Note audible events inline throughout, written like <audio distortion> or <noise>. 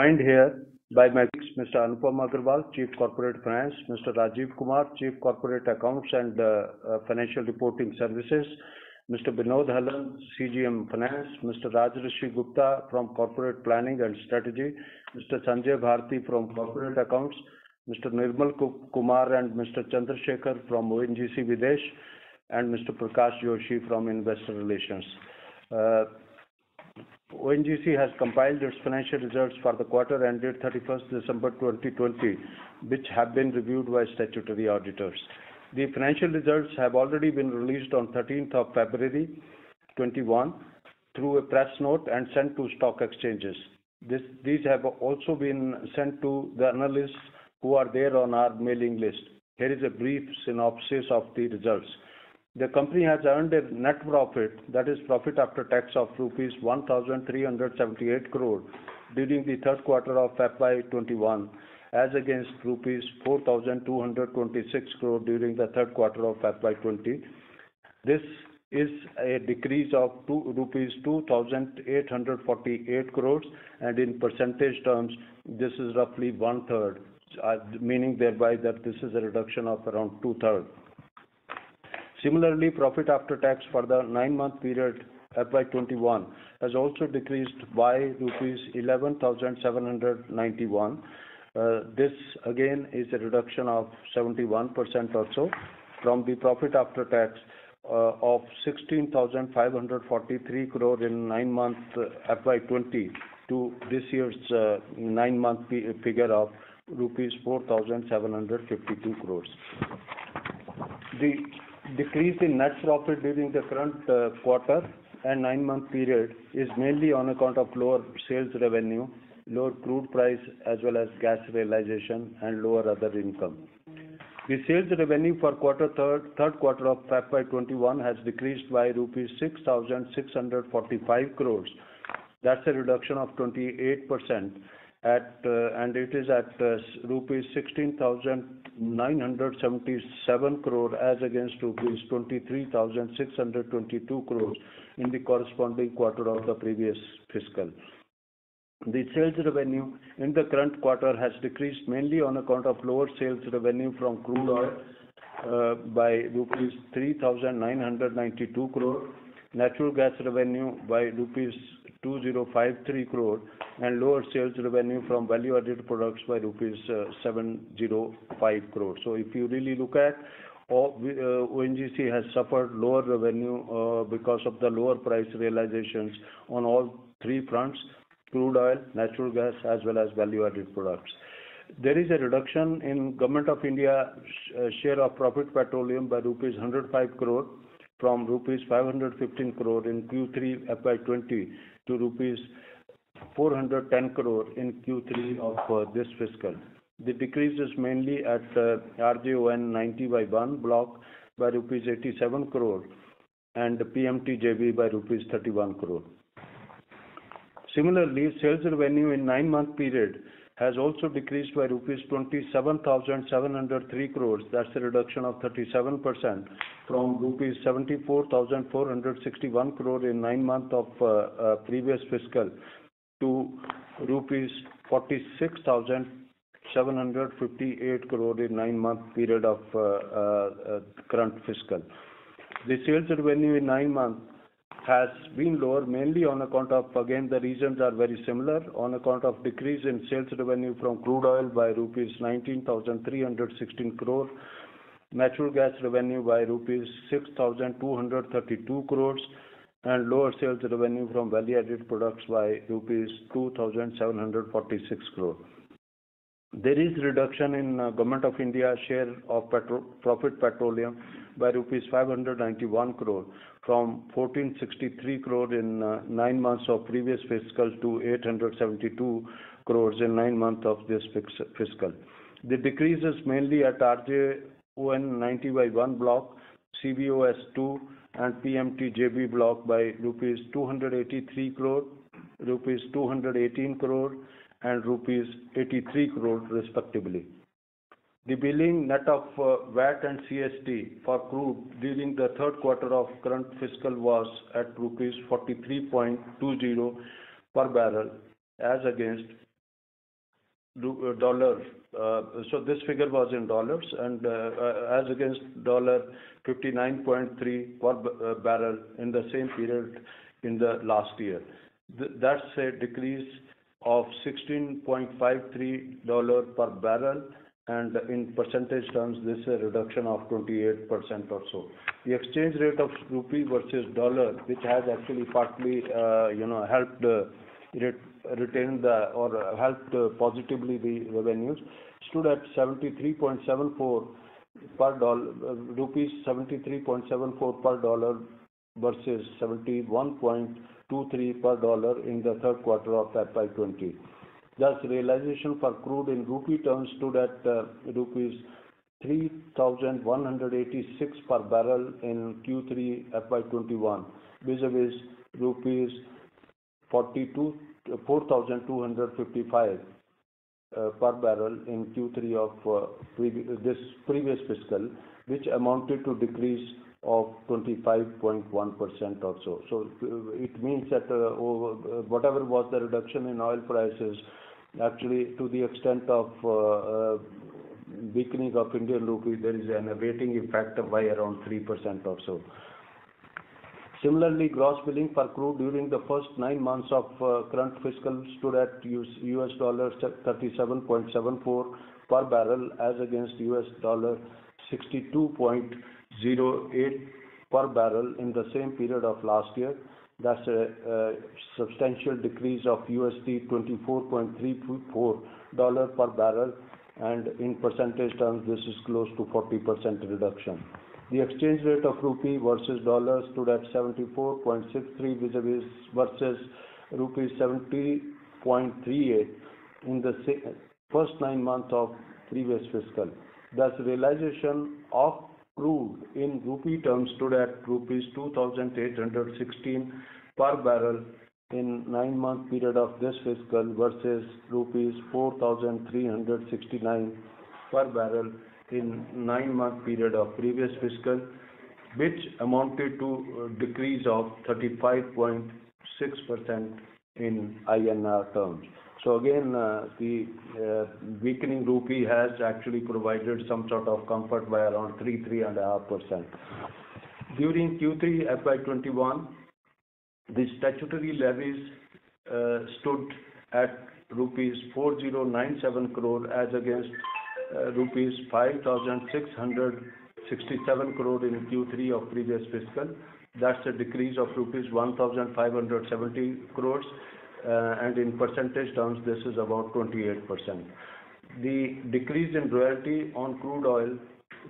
Joined here by my colleagues, Mr. Anupam Agarwal, Chief Corporate Finance, Mr. Rajiv Kumar, Chief Corporate Accounts and Financial Reporting Services, Mr. Vinod Hallan, CGM Finance, Mr. Rajarshi Gupta from Corporate Planning and Strategy, Mr. Sanjay Bharti from Corporate Accounts, Mr. Nirmal Kumar and Mr. Chandra Shekhar from ONGC Videsh, and Mr. Prakash Joshi from Investor Relations. ONGC has compiled its financial results for the quarter ended 31st December 2020, which have been reviewed by statutory auditors. The financial results have already been released on 13th of February 2021 through a press note and sent to stock exchanges. These have also been sent to the analysts who are there on our mailing list. Here is a brief synopsis of the results. The company has earned a net profit, that is profit after tax, of rupees 1,378 crore during the third quarter of FY 2021, as against rupees 4,226 crore during the third quarter of FY 2020. This is a decrease of 2,848 crore, and in percentage terms, this is roughly 1/3, meaning thereby that this is a reduction of around 2/3. Similarly, profit after tax for the nine-month period, FY 2021, has also decreased by rupees 11,791. This again is a reduction of 71% or so from the profit after tax of 16,543 crore in nine months FY 2020 to this year's nine-month figure of rupees 4,752 crore. The decrease in net profit during the current quarter and nine-month period is mainly on account of lower sales revenue, lower crude price, as well as gas realization, and lower other income. The sales revenue for third quarter of FY 2021 has decreased by rupees 6,645 crore. That's a reduction of 28%. It is at 16,977 crore as against 23,622 crore in the corresponding quarter of the previous fiscal. The sales revenue in the current quarter has decreased mainly on account of lower sales revenue from crude oil by rupees 3,992 crore, natural gas revenue by rupees 2,053 crore, and lower sales revenue from value added products by rupees 705 crore. If you really look at, ONGC has suffered lower revenue because of the lower price realizations on all three fronts, crude oil, natural gas, as well as value-added products. There is a reduction in Government of India share of profit petroleum by rupees 105 crore from rupees 515 crore in Q3 FY 2020 to rupees 410 crore in Q3 of this fiscal. The decrease is mainly at RJ-ON-90/1 block by rupees 87 crore and PMT-JV by rupees 31 crore. Similarly, sales revenue in nine-month period has also decreased by rupees 27,703 crore. That's a reduction of 37% from rupees 74,461 crore in nine month of previous fiscal to rupees 46,758 crore in nine-month period of current fiscal. The sales revenue in nine months has been lower mainly on account of, again, the regions are very similar, on account of decrease in sales revenue from crude oil by rupees 19,316 crore, natural gas revenue by rupees 6,232 crore, and lower sales revenue from value-added products by rupees 2,746 crore. There is reduction in Government of India share of profit petroleum by rupees 591 crore, from 1,463 crore in nine months of previous fiscal to 872 crore in nine months of this fiscal. The decrease is mainly at RJ-ON-90/1 block, CB-OS/2, and PMT-JV block by rupees 283 crore, rupees 218 crore, and rupees 83 crore, respectively. The billing net of VAT and CST for crude during the third quarter of current fiscal was at rupees 43.20 per barrel as against dollar. This figure was in dollars, and as against $59.3 per barrel in the same period in the last year. That's a decrease of $16.53 per barrel, and in percentage terms, this is a reduction of 28% or so. The exchange rate of rupee versus dollar, which has actually partly helped retain the or helped positively the revenues, stood at 73.74 per dollar, versus 71.23 per dollar in the third quarter of FY 2020. Thus, realization for crude in rupee terms stood at rupees 3,186 per barrel in Q3 FY 2021, vis-à-vis 4,255 per barrel in Q3 of this previous fiscal, which amounted to decrease of 25.1% also. It means that whatever was the reduction in oil prices, actually to the extent of weakening of Indian rupee, there is an attenuating effect of by around 3% or so. Similarly, gross billing for crude during the first nine months of current fiscal stood at $37.74 per barrel, as against $62.08 per barrel in the same period of last year. That's a substantial decrease of $24.34 per barrel, and in percentage terms, this is close to 40% reduction. The exchange rate of the Indian rupee versus the U.S. dollar stood at INR 74.63 versus rupees 70.38 in the first nine months of previous fiscal. Thus, realization of crude in INR terms stood at rupees 2,816 per barrel in nine-month period of this fiscal, versus rupees 4,369 per barrel in nine-month period of previous fiscal, which amounted to a decrease of 35.6% in INR terms. Again, the weakening rupee has actually provided some sort of comfort by around 3%-3.5%. During Q3 FY 2021, the statutory levies stood at rupees 4,097 crore, as against rupees 5,667 crore in Q3 of previous fiscal. That's a decrease of rupees 1,570 crores, and in percentage terms, this is about 28%. The decrease in royalty on crude oil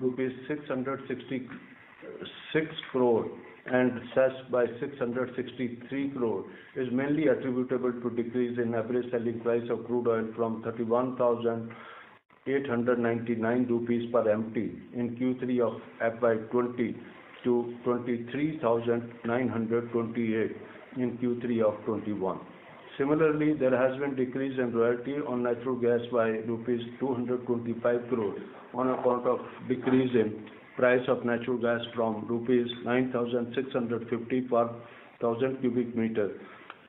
666 crore and cess by 663 crore is mainly attributable to decrease in average selling price of crude oil from 31,899 rupees per MT in Q3 of FY 2020 to 23,928 in Q3 of 2021. Similarly, there has been decrease in royalty on natural gas by rupees 225 crores on account of decrease in price of natural gas from rupees 9,650 per 1,000 cubic meter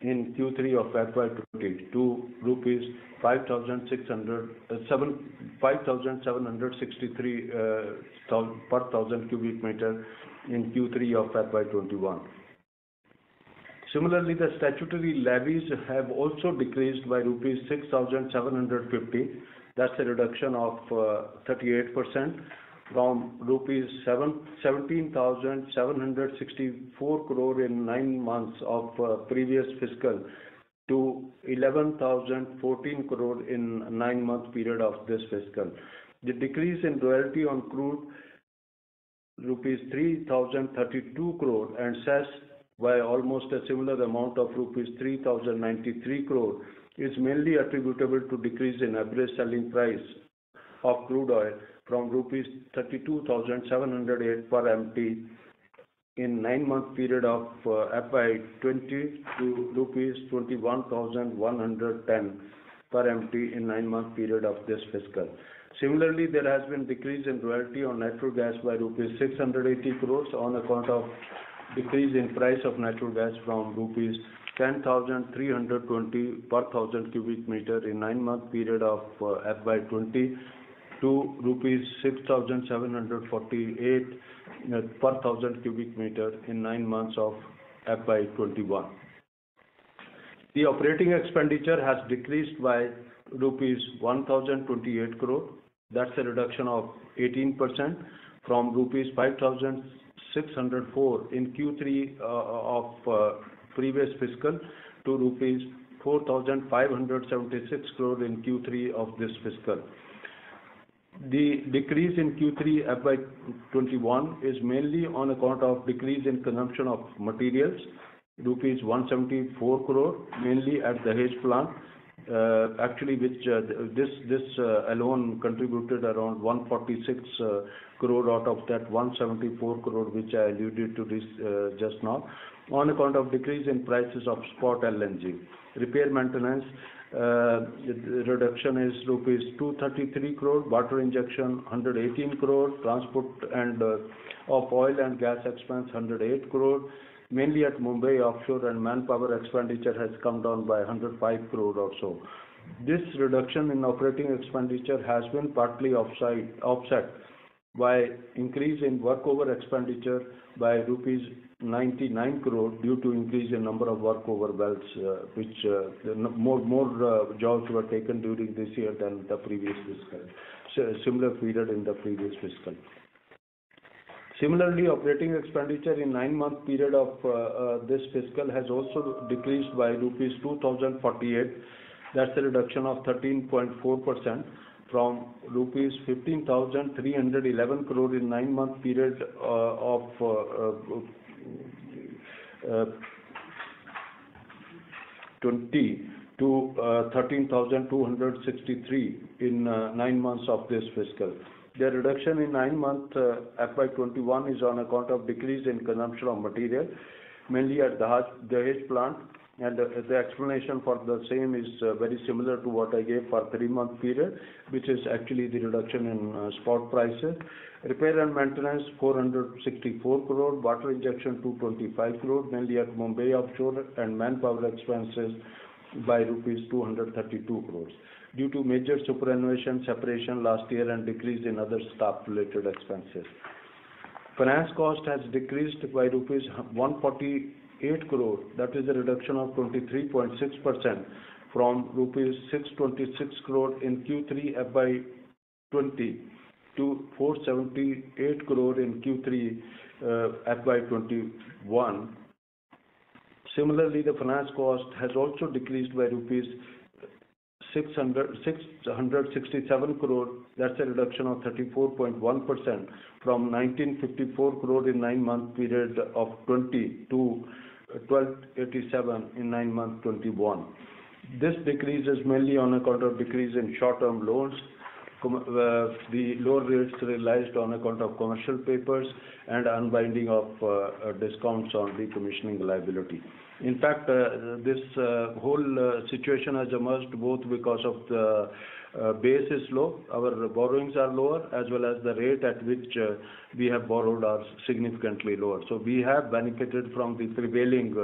in Q3 of FY 2020 to INR 5,763 per 1,000 cubic meter in Q3 of FY 2021. Similarly, the statutory levies have also decreased by rupees 6,750. That's a reduction of 38% from rupees 17,764 crore in nine months of previous fiscal to 11,014 crore in nine-month period of this fiscal. The decrease in royalty on crude rupees 3,032 crore and cess by almost a similar amount of rupees 3,093 crore is mainly attributable to decrease in average selling price of crude oil from rupees 32,708 per MT in nine-month period of FY 2020 to 21,110 per MT in nine-month period of this fiscal. Similarly, there has been decrease in royalty on natural gas by rupees 680 crores on account of decrease in price of natural gas from rupees 10,320 per 1,000 cubic meter in nine-month period of FY 2020 to INR 6,748 per 1,000 cubic meter in nine months of FY 2021. The operating expenditure has decreased by rupees 1,028 crore. That's a reduction of 18% from rupees 5,604 in Q3 of previous fiscal to rupees 4,576 crore in Q3 of this fiscal. The decrease in Q3 FY 2021 is mainly on account of decrease in consumption of materials, rupees 174 crore, mainly at Dahej plant. Actually, this alone contributed around 146 crore out of that 174 crore, which I alluded to just now, on account of decrease in prices of spot LNG. Repair maintenance reduction is rupees 233 crore, water injection 118 crore, transport of oil and gas expense 108 crore, mainly at Mumbai Offshore and manpower expenditure has come down by 105 crore or so. This reduction in OpEx has been partly offset by increase in workover expenditure by rupees 99 crore due to increase in number of workover wells, which more jobs were taken during this year than the previous fiscal, similar period in the previous fiscal. Similarly, operating expenditure in nine-month period of this fiscal has also decreased by rupees 2,048. That's a reduction of 13.4% from rupees 15,311 crore in nine-month periods of 20 to 13,263 crore in nine months of this fiscal. The reduction in nine-month FY 2021 is on account of decrease in consumption of material, mainly at Dahej plant. The explanation for the same is very similar to what I gave for three-month period, which is actually the reduction in spot prices. Repair and maintenance 464 crore, water injection 225 crore, mainly at Mumbai Offshore, and manpower expenses by rupees 232 crore, due to major superannuation separation last year and decrease in other staff-related expenses. Finance cost has decreased by rupees 148 crore. That is a reduction of 23.6% from rupees 626 crore in Q3 FY 2020 to 478 crore in Q3 FY 2021. Similarly, the finance cost has also decreased by rupees 667 crore. That's a reduction of 34.1% from 1,954 crore in nine-month period of 2020 to 1,287 in nine months 2021. This decrease is mainly on account of decrease in short-term loans, the lower rates realized on account of commercial papers and unbinding of discounts on decommissioning liability. In fact, this whole situation has emerged both because of the base is low, our borrowings are lower, as well as the rate at which we have borrowed are significantly lower. We have benefited from the prevailing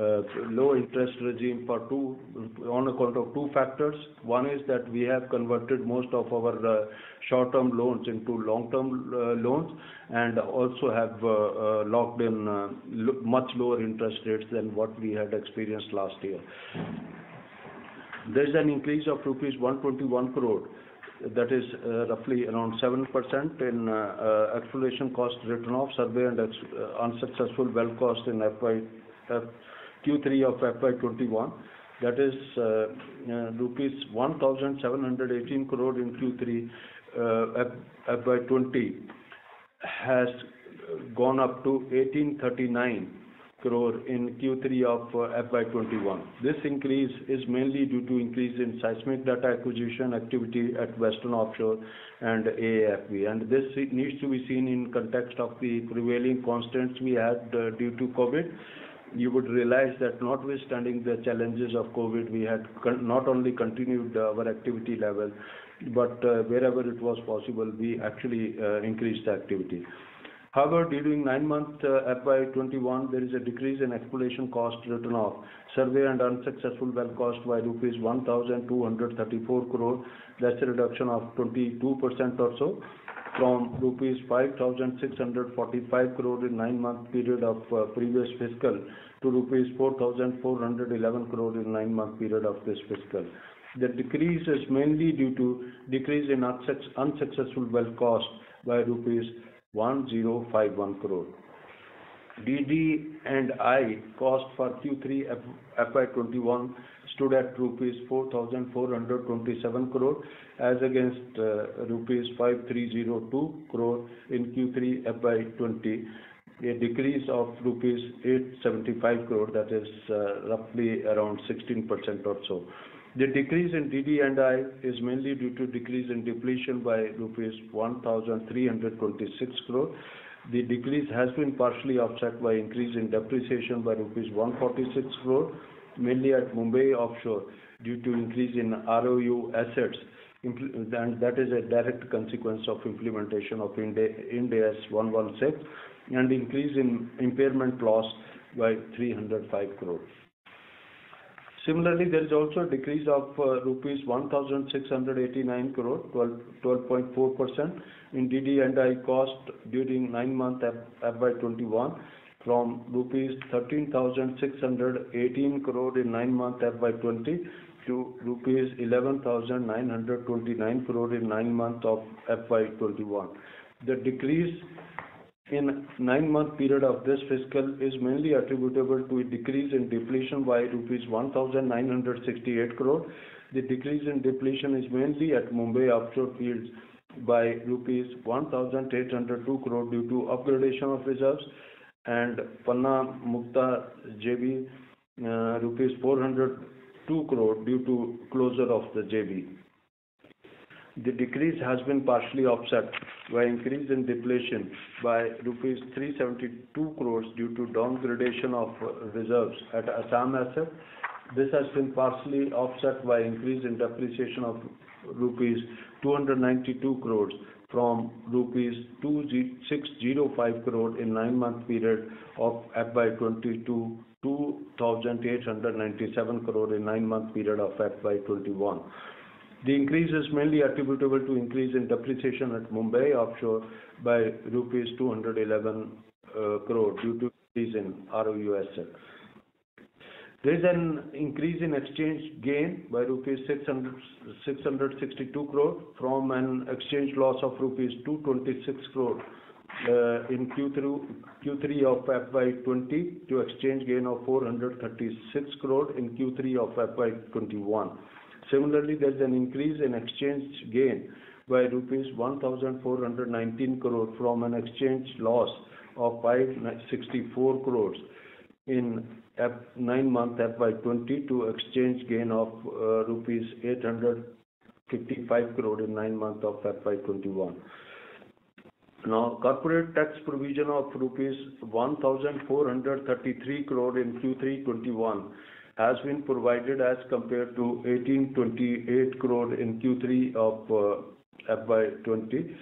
low interest regime on account of two factors. One is that we have converted most of our short-term loans into long-term loans and also have locked in much lower interest rates than what we had experienced last year. There's an increase of rupees 121 crore, that is roughly around 7% in exploration cost written off, survey, and unsuccessful well cost in Q3 of FY 2021. That is rupees 1,718 crore in Q3 FY 2020 has gone up to 1,839 crore in Q3 of FY 2021. This increase is mainly due to increase in seismic data acquisition activity at Western Offshore and AAFB. This needs to be seen in context of the prevailing constraints we had due to COVID. You would realize that notwithstanding the challenges of COVID, we had not only continued our activity level, but wherever it was possible, we actually increased the activity. However, during nine months FY 2021, there is a decrease in exploration cost written off. Survey and unsuccessful well cost by rupees 1,234 crore. That's a reduction of 22% or so from rupees 5,645 crore in nine-month period of previous fiscal, to rupees 4,411 crore in nine-month period of this fiscal. The decrease is mainly due to decrease in unsuccessful well cost by rupees 1,051 crore. DD&I cost for Q3 FY 2021 stood at rupees 4,427 crore as against rupees 5,302 crore in Q3 FY 2020, a decrease of rupees 875 crore, that is roughly around 16% or so. The decrease in DD&I is mainly due to decrease in depletion by rupees 1,326 crore. The decrease has been partially offset by increase in depreciation by rupees 146 crore, mainly at Mumbai Offshore due to increase in ROU assets. That is a direct consequence of implementation of Ind AS 116 and increase in impairment loss by 305 crore. Similarly, there is also a decrease of rupees 1,689 crore, 12.4% in DD&I cost during nine month FY 2021 from INR 13,618 crore in nine month FY 2020 to 11,929 crore in nine month of FY 2021. The decrease in nine-month period of this fiscal is mainly attributable to a decrease in depletion by rupees 1,968 crore. The decrease in depletion is mainly at Mumbai Offshore fields by rupees 1,802 crore due to upgradation of reserves and PMT-JV, rupees 402 crore due to closure of the JV. The decrease has been partially offset by increase in depletion by rupees 372 crore due to down-gradation of reserves at Assam Asset. This has been partially offset by increase in depreciation of rupees 292 crore from rupees 2,605 crore in nine-month period of FY 2020 to 2,897 crore in nine-month period of FY 2021. The increase is mainly attributable to increase in depreciation at Mumbai Offshore by rupees 211 crore due to increase in ROU asset. There is an increase in exchange gain by rupees 662 crore from an exchange loss of rupees 226 crore in Q3 of FY 2020 to exchange gain of 436 crore in Q3 of FY 2021. Similarly, there's an increase in exchange gain by rupees 1,419 crore from an exchange loss of 564 crore in nine months FY 2020 to exchange gain of rupees 855 crore in nine months of FY 2021. Corporate tax provision of rupees 1,433 crore in Q3 FY 2020-2021 has been provided as compared to 1,828 crore in Q3 of FY 2020.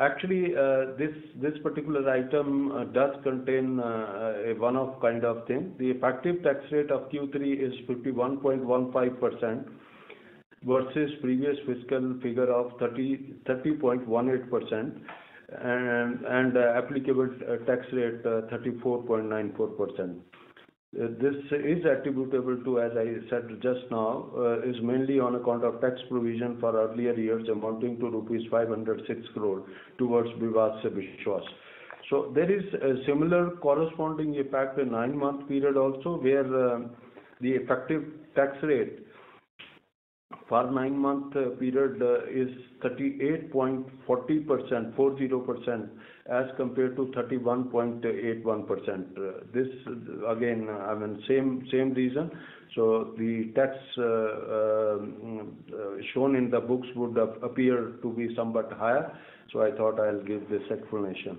Actually, this particular item does contain a one-off kind of thing. The effective tax rate of Q3 is 51.15% versus previous fiscal figure of 30.18%, and applicable tax rate 34.94%. This is attributable to, as I said just now, is mainly on account of tax provision for earlier years amounting to rupees 506 crore. There is a similar corresponding impact in nine-month period also, where the effective tax rate for nine-month period is 38.40%, as compared to 31.81%. This again, same reason. The tax shown in the books would appear to be somewhat higher, so I thought I'll give this explanation.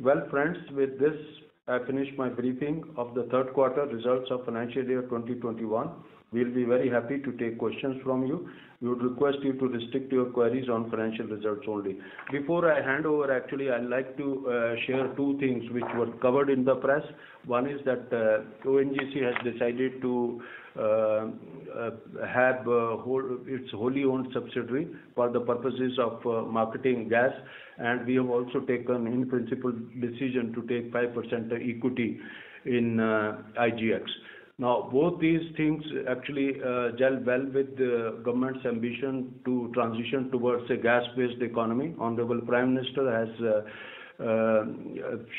Well, friends, with this, I finish my briefing of the third quarter results of financial year 2021. We'll be very happy to take questions from you. We would request you to restrict your queries on financial results only. Before I hand over, actually, I'd like to share two things which were covered in the press. One is that ONGC has decided to have its wholly owned subsidiary for the purposes of marketing gas, and we have also taken in principle decision to take 5% equity in IGX. Both these things actually gel well with Government's ambition to transition towards a gas-based economy. Honorable Prime Minister has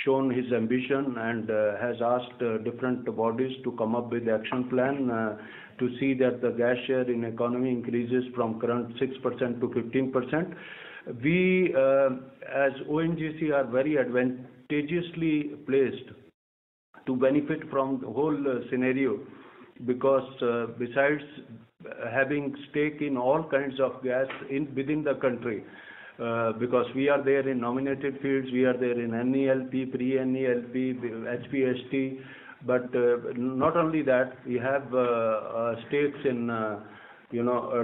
shown his ambition and has asked different bodies to come up with the action plan to see that the gas share in economy increases from current 6% to 15%. We, as ONGC, are very advantageously placed to benefit from the whole scenario, because besides having stake in all kinds of gas within the country, because we are there in nominated fields, we are there in NELP, pre-NELP, HPHT, but not only that, we have stakes in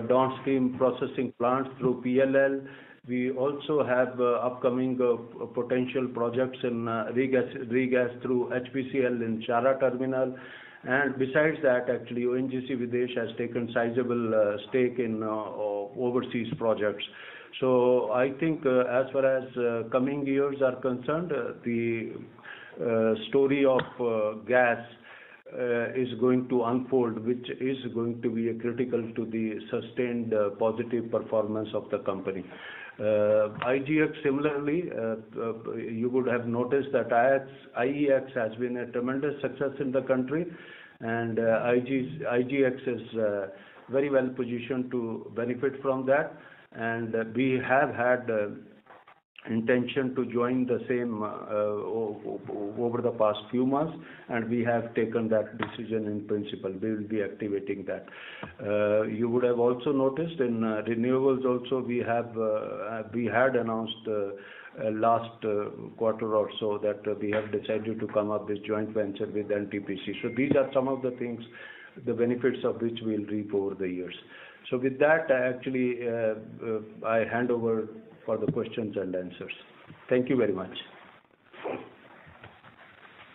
downstream processing plants through PLL. We also have upcoming potential projects in regas through HPCL in Chhara terminal. Besides that, actually, ONGC Videsh has taken sizable stake in overseas projects. I think as far as coming years are concerned, the story of gas is going to unfold, which is going to be critical to the sustained positive performance of the company. IGX, similarly, you would have noticed that IEX has been a tremendous success in the country. IGX is very well positioned to benefit from that. We have had intention to join the same over the past few months, and we have taken that decision in principle. We will be activating that. You would have also noticed in renewables also, we had announced last quarter also that we have decided to come up with joint venture with NTPC. These are some of the things, the benefits of which we'll reap over the years. With that, actually, I hand over for the questions and answers. Thank you very much.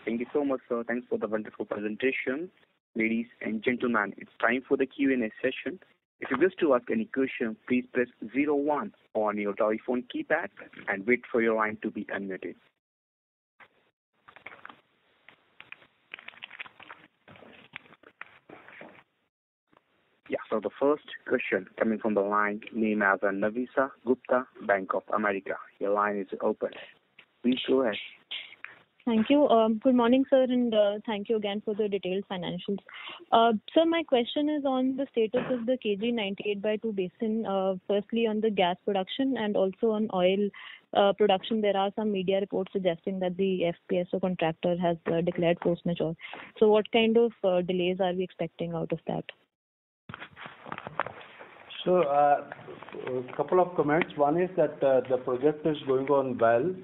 Thank you so much, sir. Thanks for the wonderful presentation. Ladies and gentlemen, it's time for the Q&A session. If you wish to ask any question, please press zero one on your telephone keypad and wait for your line to be unmuted. Yeah. The first question coming from the line named as Nafeesa Gupta, Bank of America. Your line is open. Please go ahead. Thank you. Good morning, sir, and thank you again for the detailed financials. Sir, my question is on the status of the KG-DWN-98/2 basin. Firstly, on the gas production and also on oil production. There are some media reports suggesting that the FPSO contractor has declared force majeure. What kind of delays are we expecting out of that? A couple of comments. One is that the project is going on well.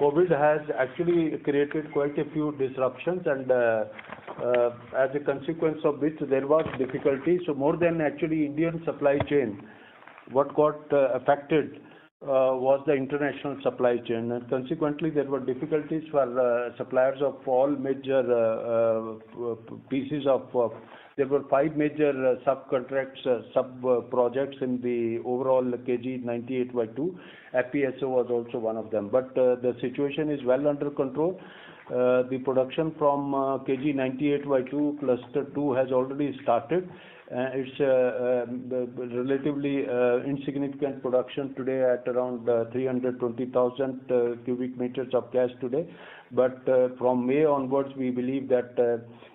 COVID has actually created quite a few disruptions, and as a consequence of which there was difficulty. More than actually Indian supply chain, what got affected was the international supply chain, and consequently, there were difficulties for suppliers of all major pieces. There were five major subcontracts, sub-projects in the overall KG-DWN-98/2. FPSO was also one of them. The situation is well under control. The production from KG-DWN-98/2 Cluster 2 has already started. It's a relatively insignificant production today at around 320,000 cubic meters of gas today. From May onwards, we believe that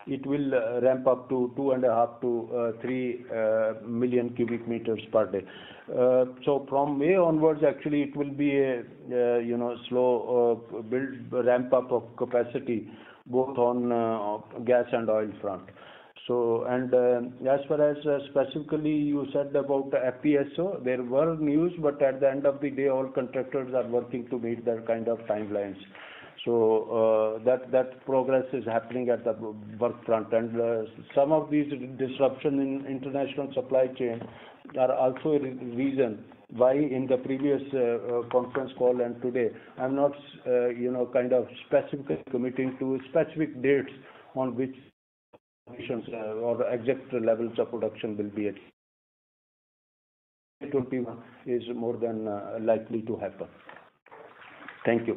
it will ramp up to 2.5 million-3 million cubic meters per day. From May onwards, actually, it will be a slow build ramp-up of capacity, both on gas and oil front. As far as specifically you said about the FPSO, there were news, but at the end of the day, all contractors are working to meet their kind of timelines. That progress is happening at the work front. Some of these disruption in international supply chain are also a reason why in the previous conference call and today, I'm not kind of specifically committing to specific dates on which or exact levels of production will be at. is more than likely to happen. Thank you.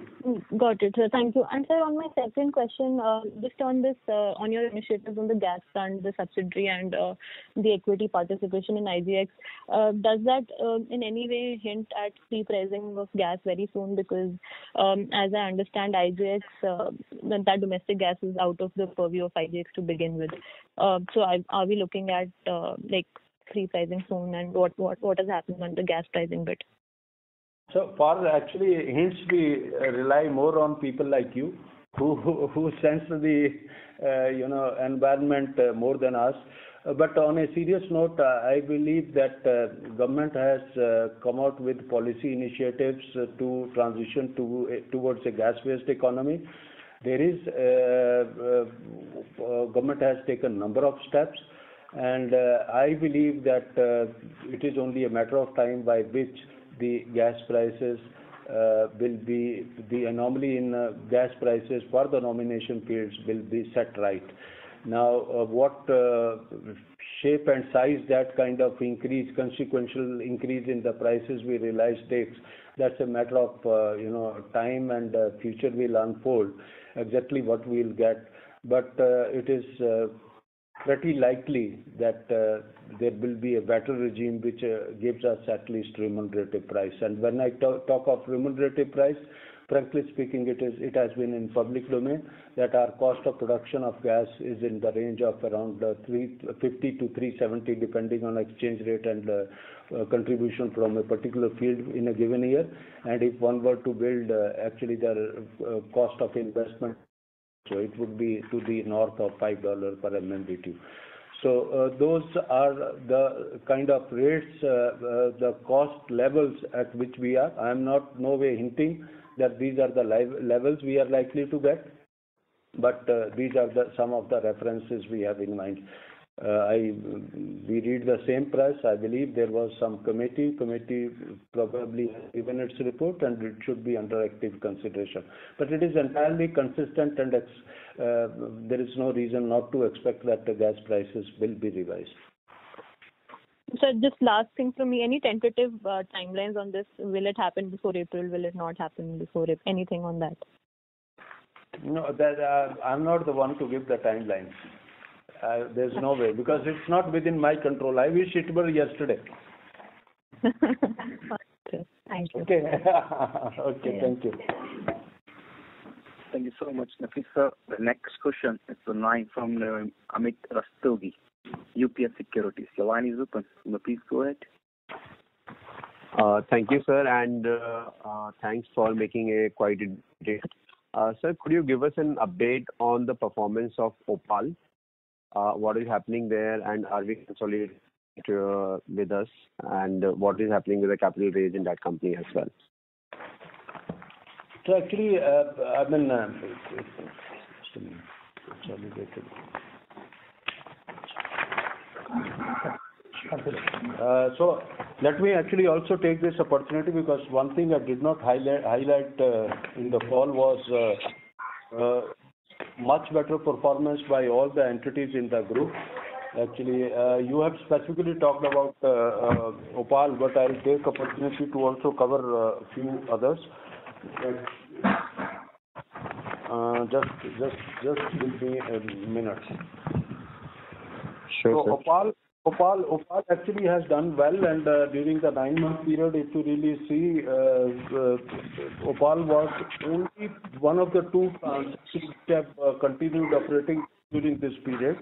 Got it. Thank you. Sir, on my second question, just on your initiatives on the gas front, the subsidiary, and the equity participation in IGX, does that in any way hint at free pricing of gas very soon? As I understand, that domestic gas is out of the purview of IGX to begin with. Are we looking at free pricing soon, and what has happened on the gas pricing bit? For actually hints, we rely more on people like you who sense the environment more than us. On a serious note, I believe that government has come out with policy initiatives to transition towards a gas-based economy. Government has taken a number of steps, and I believe that it is only a matter of time by which the anomaly in gas prices for the nomination periods will be set right. What shape and size that kind of consequential increase in the prices we realize takes, that's a matter of time, and future will unfold exactly what we'll get. It is pretty likely that there will be a better regime which gives us at least remunerative price. When I talk of remunerative price, frankly speaking, it has been in public domain, that our cost of production of gas is in the range of around 350-370, depending on exchange rate and contribution from a particular field in a given year. If one were to build actually their cost of investment, it would be to the north of $5 per MMBtu. Those are the kind of rates, the cost levels at which we are. I'm not no way hinting that these are the levels we are likely to get, but these are some of the references we have in mind. We read the same press. I believe there was some committee. Committee probably has given its report, and it should be under active consideration. It is entirely consistent, and there is no reason not to expect that the gas prices will be revised. Sir, just last thing from me. Any tentative timelines on this? Will it happen before April? Will it not happen before April? Anything on that? No. I'm not the one to give the timelines. There's no way, because it's not within my control. I wish it were yesterday. Okay. Thank you. Okay. Okay. Thank you. Thank you so much, Nafeesa. The next question is the line from Amit Rustagi, UBS Securities. Your line is open. Nafeesa, go ahead. Thank you, sir, and thanks for making a quiet day. Sir, could you give us an update on the performance of OPaL? What is happening there? Are we consolidated with us? What is happening with the capital raise in that company as well? Actually, I've been. Just a minute. Sorry, wait. Let me actually also take this opportunity, because one thing I did not highlight in the call was much better performance by all the entities in the group. Actually, you have specifically talked about OPaL, but I'll take opportunity to also cover a few others. Just give me a minute. Sure, sir. Opal actually has done well, and during the nine-month period, if you really see, Opal was only one of the two plants which have continued operating during this period.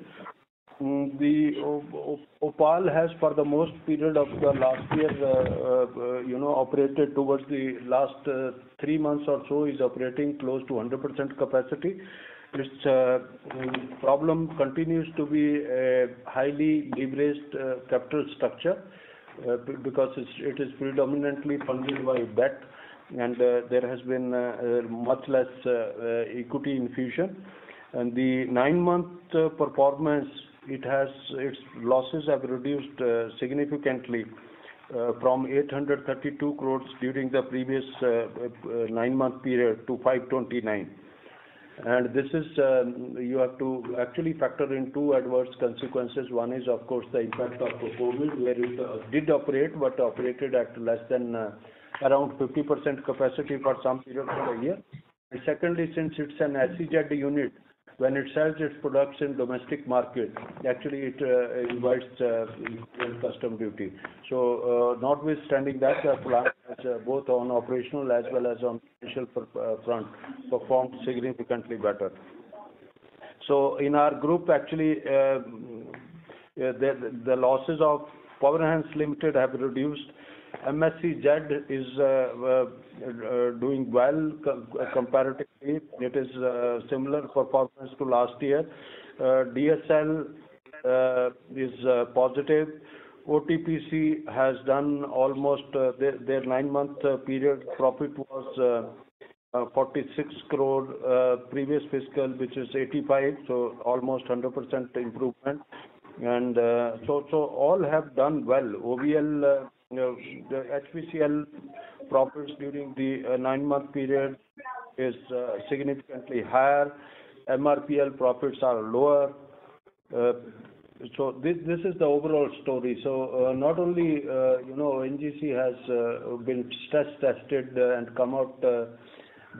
Opal has, for the most period of the last year, operated towards the last three months or so, is operating close to 100% capacity. Its problem continues to be a highly leveraged capital structure because it is predominantly funded by debt, and there has been much less equity infusion. The nine-month performance, its losses have reduced significantly from 832 crores during the previous nine-month period to 529 crores. You have to actually factor in two adverse consequences. One is, of course, the impact of the COVID, where it did operate, but operated at less than around 50% capacity for some period of the year. Secondly, since it's an SEZ unit, when it sells its products in domestic market, actually it invites import custom duty. Notwithstanding that, the plant has both on operational as well as on financial front performed significantly better. In our group, actually. The losses of Pawan Hans Limited have reduced. MSEZ is doing well comparatively. It is similar performance to last year. DSL is positive. OTPC has done almost their nine-month period profit was 46 crore previous fiscal, which is 85 crore. Almost 100% improvement. All have done well. OVL, the HPCL profits during the nine-month period is significantly higher. MRPL profits are lower. This is the overall story. Not only ONGC has been stress tested and come out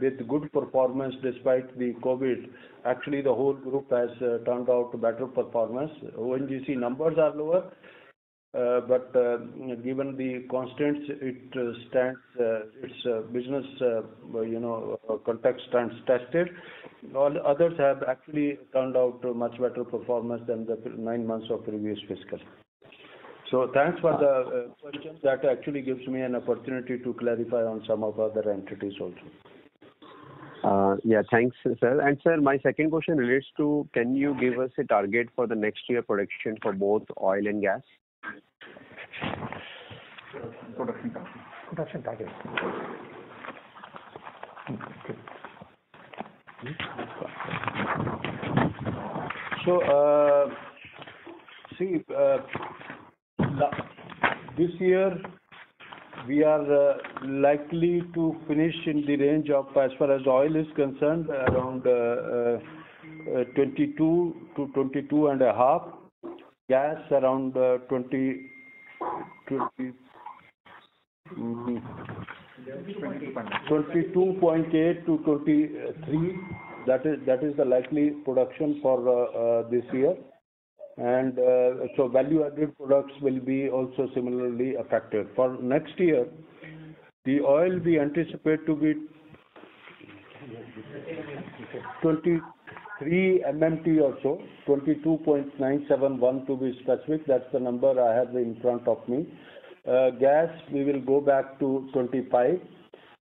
with good performance despite the COVID. Actually, the whole group has turned out better performance. ONGC numbers are lower. Given the constraints, its business context stands tested. All others have actually turned out a much better performance than the nine months of previous fiscal. Thanks for the question. That actually gives me an opportunity to clarify on some of the other entities also. Yeah. Thanks, sir. Sir, my second question relates to can you give us a target for the next year production for both oil and gas? This year, we are likely to finish in the range of, as far as oil is concerned, around 22-22.5. Gas, around 22.8-23. That is the likely production for this year. Value-added products will be also similarly affected. For next year, the oil we anticipate to be 23 MMT or so, 22.971 to be specific. That's the number I have in front of me. Gas, we will go back to 25.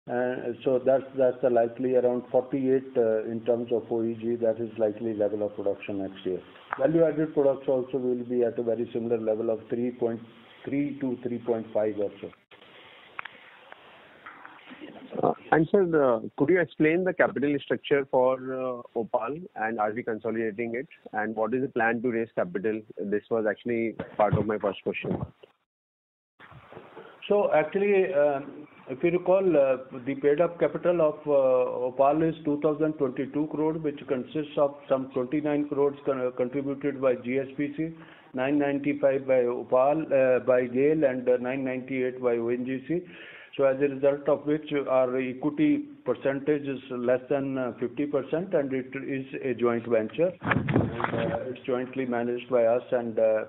That's the likely around 48 in terms of OEG. That is likely level of production next year. Value-added products also will be at a very similar level of 3 to 3.5 or so. Sir, could you explain the capital structure for OPaL, and are we consolidating it? What is the plan to raise capital? This was actually part of my first question. Actually, if you recall, the paid-up capital of Opal is 2,022 crore, which consists of some 29 crore contributed by GSPC, 995 by GAIL, and 998 by ONGC. It is a joint venture. It's jointly managed by us, and GAIL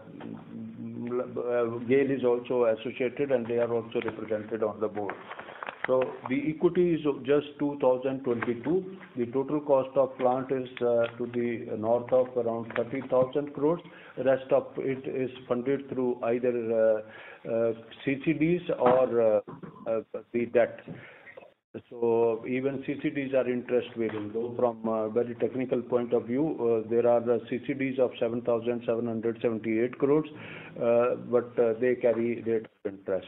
is also associated, and they are also represented on the board. The equity is just 2,022. The total cost of plant is to be north of around 30,000 crore. The rest of it is funded through either CCDs or the debt. Even CCDs are interest bearing, though from a very technical point of view, there are CCDs of 7,778 crore, but they carry their interest.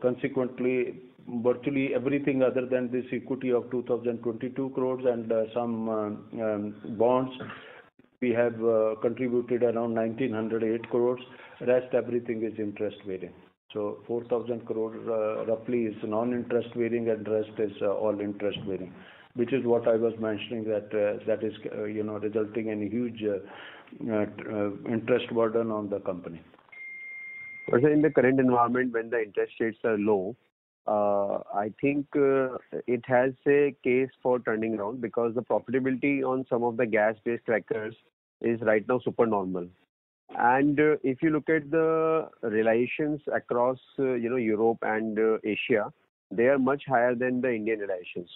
Consequently, virtually everything other than this equity of 2,022 crore and some bonds, we have contributed around 1,908 crore. The rest, everything is interest-bearing. 4,000 crore roughly is non-interest bearing, and rest is all interest bearing, which is what I was mentioning that is resulting in huge interest burden on the company. In the current environment, when the interest rates are low, I think it has a case for turning around because the profitability on some of the gas-based crackers is right now super normal. If you look at the realizations across Europe and Asia, they are much higher than the Indian realizations.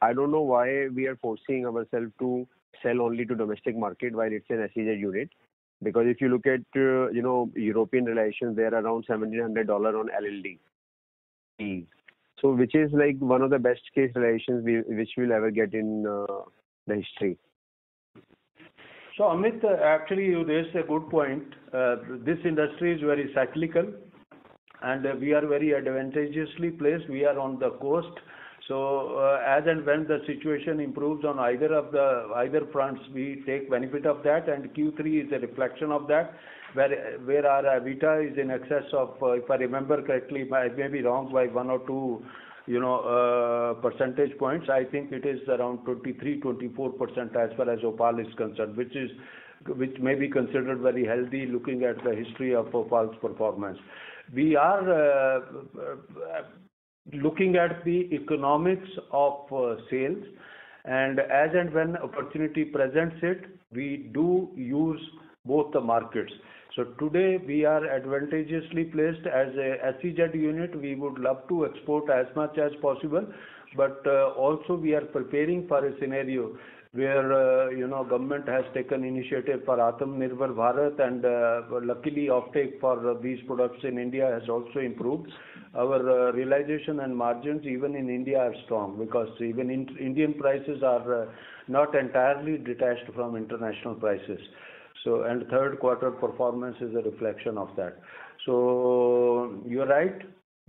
I don't know why we are forcing ourselves to sell only to domestic market while it's an SEZ unit. If you look at European realizations, they are around $1,700 on LLDPE. Which is like one of the best-case realizations which we'll ever get in the history. Amit, actually, you raised a good point. This industry is very cyclical, and we are very advantageously placed. We are on the coast. As and when the situation improves on either fronts, we take benefit of that, and Q3 is a reflection of that, where our EBITDA is in excess of, if I remember correctly, I may be wrong by one or two percentage points. I think it is around 23%-24% as far as Opal is concerned, which may be considered very healthy looking at the history of Opal's performance. We are looking at the economics of sales. As and when opportunity presents it, we do use both the markets. Today, we are advantageously placed as a SEZ unit. We would love to export as much as possible. Also we are preparing for a scenario where government has taken initiative for Atmanirbhar Bharat, and luckily, uptake for these products in India has also improved. Our realization and margins even in India are strong, because even Indian prices are not entirely detached from international prices. Third quarter performance is a reflection of that. You're right,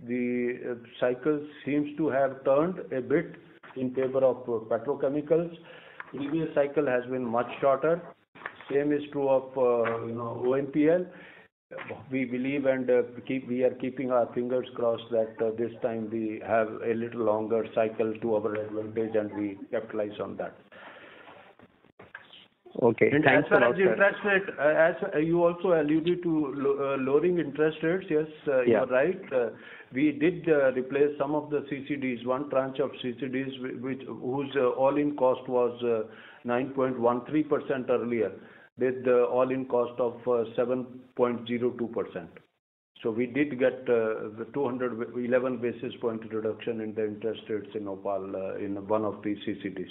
the cycle seems to have turned a bit in favor of petrochemicals. Previous cycle has been much shorter. Same is true of OMPL. We believe, and we are keeping our fingers crossed that this time we have a little longer cycle to our advantage, and we capitalize on that. Okay. Thanks a lot, sir. As you also alluded to lowering interest rates. Yes, you are right. Yeah. We did replace some of the CCDs. One tranche of CCDs whose all-in cost was 9.13% earlier, with all-in cost of 7.02%. We did get 211 basis point reduction in the interest rates in Opal, in one of the CCDs.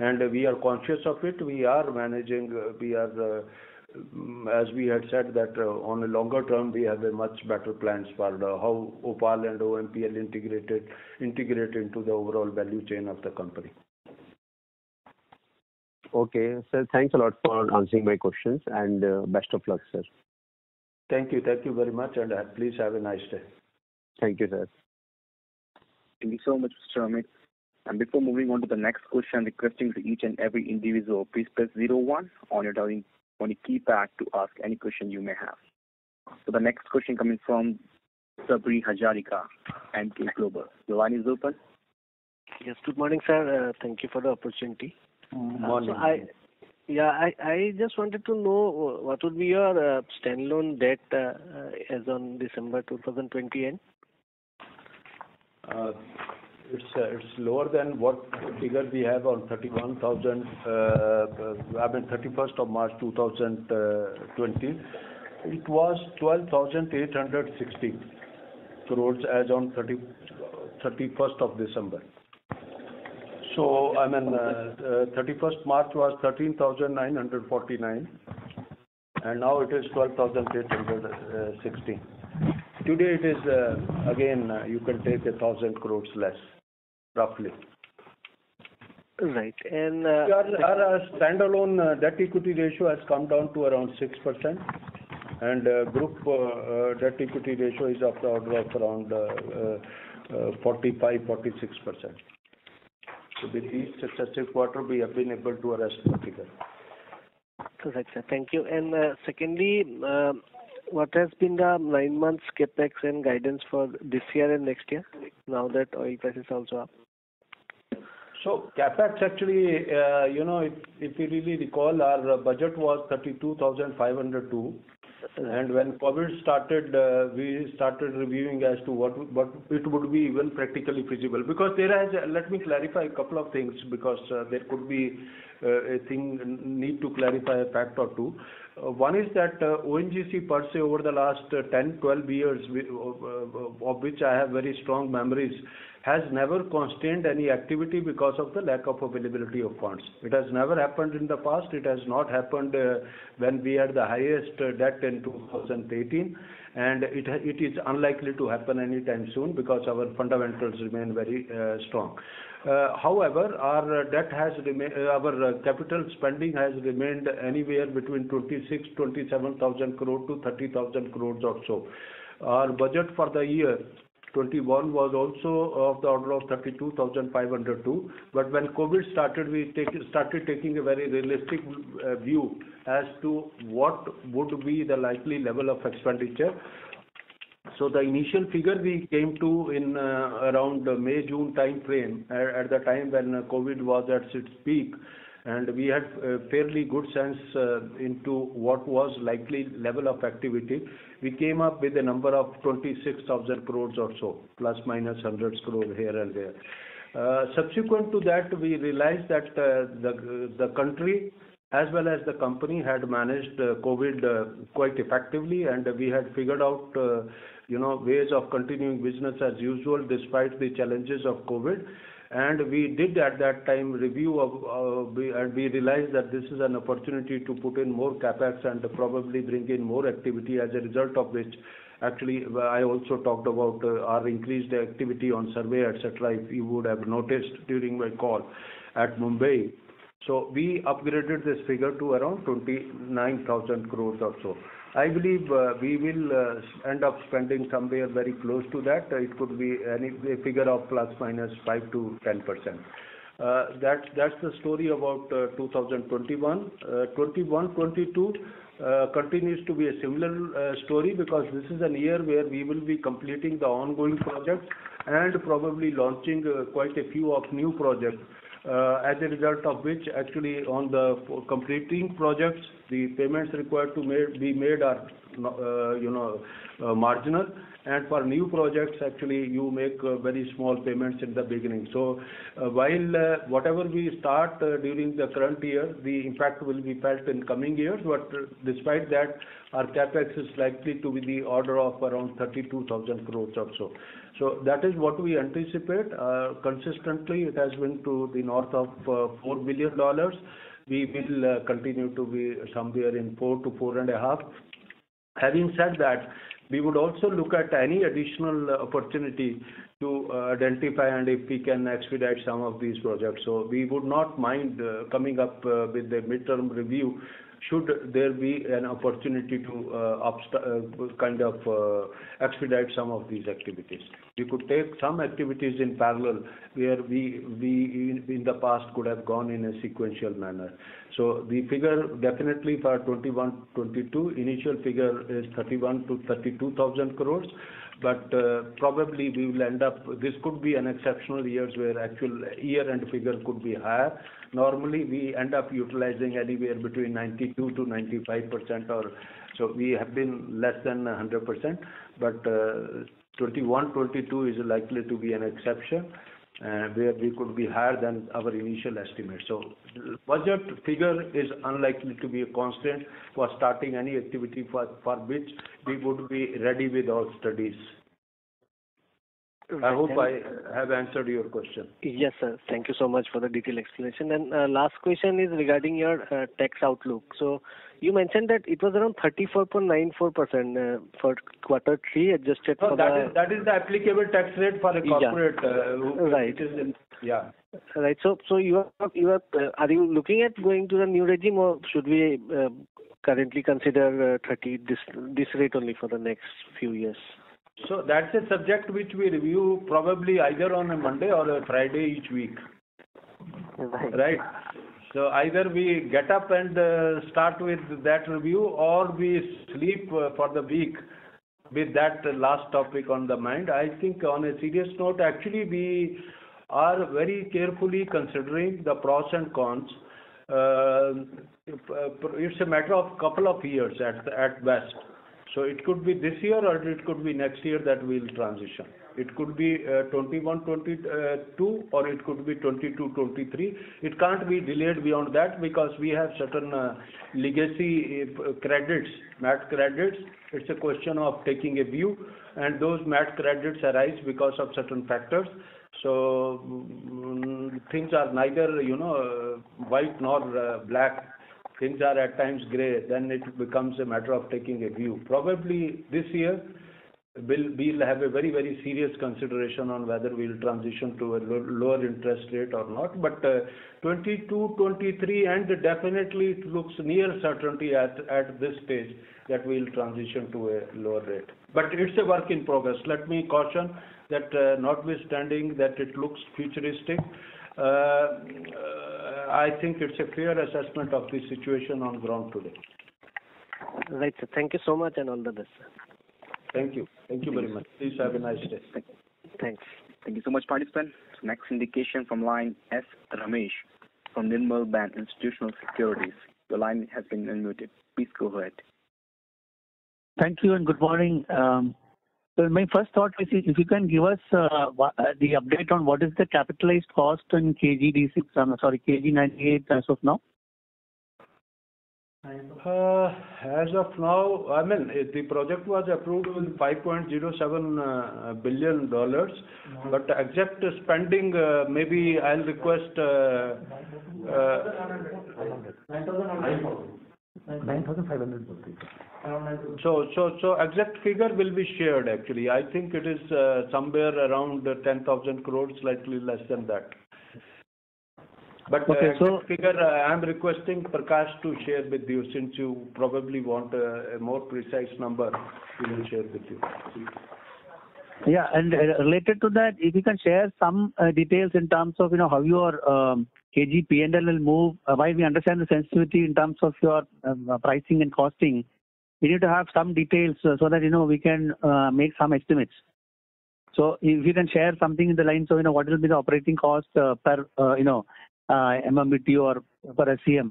We are conscious of it. We are managing. As we had said that on a longer term, we have a much better plans for how Opal and OMPL integrate into the overall value chain of the company. Okay. Sir, thanks a lot for answering my questions, and best of luck, sir. Thank you. Thank you very much. Please have a nice day. Thank you, sir. Thank you so much, Mr. Amit. Before moving on to the next question, requesting to each and every individual, please press zero one on your keypad to ask any question you may have. The next question coming from Sabri Hazarika, Emkay Global. Your line is open. Yes. Good morning, sir. Thank you for the opportunity. Good morning. I just wanted to know what would be your standalone debt as on December 2020 end? It's lower than what figure we have on 31st of March 2020. It was 12,816 crores as on 31st of December. I mean, 31st March was 13,949. Now it is 12,816. Today it is, again, you can take 1,000 crores less, roughly. Right. Our standalone debt equity ratio has come down to around 6%. Group debt equity ratio is of the order of around 45, 46%. With each successive quarter, we have been able to arrest that figure. Correct, sir. Thank you. Secondly, what has been the nine months CapEx and guidance for this year and next year, now that oil price is also up? CapEx, actually, if you really recall, our budget was 32,502. When COVID started, we started reviewing as to what it would be even practically feasible. Let me clarify a couple of things, because there could be a need to clarify a fact or two. One is that ONGC per se over the last 10, 12 years, of which I have very strong memories, has never constrained any activity because of the lack of availability of funds. It has never happened in the past. It has not happened when we had the highest debt in 2018, and it is unlikely to happen anytime soon because our fundamentals remain very strong. However, our capital spending has remained anywhere between 26,000 crore, 27,000 crore to 30,000 crores or so. Our budget for the year 2021 was also of the order of 32,502. When COVID started, we started taking a very realistic view as to what would be the likely level of expenditure. The initial figure we came to in around May, June timeframe, at the time when COVID was at its peak, and we had a fairly good sense into what was likely level of activity. We came up with a number of 26,000 crores or so, ±100 crore here and there. Subsequent to that, we realized that the country as well as the company had managed COVID quite effectively, and we had figured out ways of continuing business as usual despite the challenges of COVID. We did at that time review, and we realized that this is an opportunity to put in more CapEx and probably bring in more activity as a result of which, actually, I also talked about our increased activity on survey, et cetera, if you would have noticed during my call at Mumbai. We upgraded this figure to around 29,000 crore or so. I believe we will end up spending somewhere very close to that. It could be a figure of ±5%-10%. That's the story about 2021. 21/22 continues to be a similar story because this is a year where we will be completing the ongoing projects and probably launching quite a few of new projects. As a result of which, actually on the completing projects, the payments required to be made are marginal. For new projects, actually, you make very small payments in the beginning. Whatever we start during the current year, the impact will be felt in coming years. Despite that, our CapEx is likely to be the order of around 32,000 crores or so. That is what we anticipate. Consistently, it has been to the north of $4 billion. We will continue to be somewhere in $4 billion-$4.5 billion. Having said that, we would also look at any additional opportunity to identify and if we can expedite some of these projects. We would not mind coming up with a midterm review should there be an opportunity to expedite some of these activities. We could take some activities in parallel, where we in the past could have gone in a sequential manner. The figure definitely for 2021-2022, initial figure is 31,000 crore-32,000 crore. Probably this could be an exceptional year where actual year-end figure could be higher. Normally, we end up utilizing anywhere between 92%-95%. We have been less than 100%, but 2021-2022 is likely to be an exception, where we could be higher than our initial estimate. Budget figure is unlikely to be a constraint for starting any activity for which we would be ready with all studies. I hope I have answered your question. Yes, sir. Thank you so much for the detailed explanation. Last question is regarding your tax outlook. You mentioned that it was around 34.94% for quarter three. No, that is the applicable tax rate for a corporate- Yeah. Right. Yeah. Right. Are you looking at going to the new regime or should we currently consider this rate only for the next few years? That's a subject which we review probably either on a Monday or a Friday each week. Right. Right? Either we get up and start with that review, or we sleep for the week with that last topic on the mind. I think on a serious note, actually, we are very carefully considering the pros and cons. It's a matter of couple of years at best. It could be this year or it could be next year that we'll transition. It could be 2021, 2022 or it could be 2022, 2023. It can't be delayed beyond that because we have certain legacy credits, MAT credits. It's a question of taking a view. Those MAT credits arise because of certain factors. Things are neither white nor black. Things are at times gray. It becomes a matter of taking a view. Probably this year, we'll have a very serious consideration on whether we'll transition to a lower interest rate or not. 2022, 2023 and definitely it looks near certainty at this stage that we'll transition to a lower rate. It's a work in progress. Let me caution that notwithstanding that it looks futuristic, I think it's a clear assessment of the situation on ground today. Right, sir. Thank you so much and all the best, sir. Thank you. Thank you very much. Please have a nice day. Thanks. Thank you so much, participant. Next indication from line S. Ramesh from Nirmal Bang Institutional Equities. Your line has been unmuted. Please go ahead. Thank you and good morning. My first thought is if you can give us the update on what is the capitalized cost in KG 98 as of now. As of now, the project was approved with $5.07 billion. Exact spending, maybe I'll request <crosstalk> Exact figure will be shared, actually. I think it is somewhere around 10,000 crores, slightly less than that. Okay. Exact figure, I am requesting Prakash to share with you since you probably want a more precise number. He will share with you. Yeah. Related to that, if you can share some details in terms of how your KG P&L will move. While we understand the sensitivity in terms of your pricing and costing, we need to have some details so that we can make some estimates. If you can share something in the line, so what will be the operating cost per MMBtu or per SCM,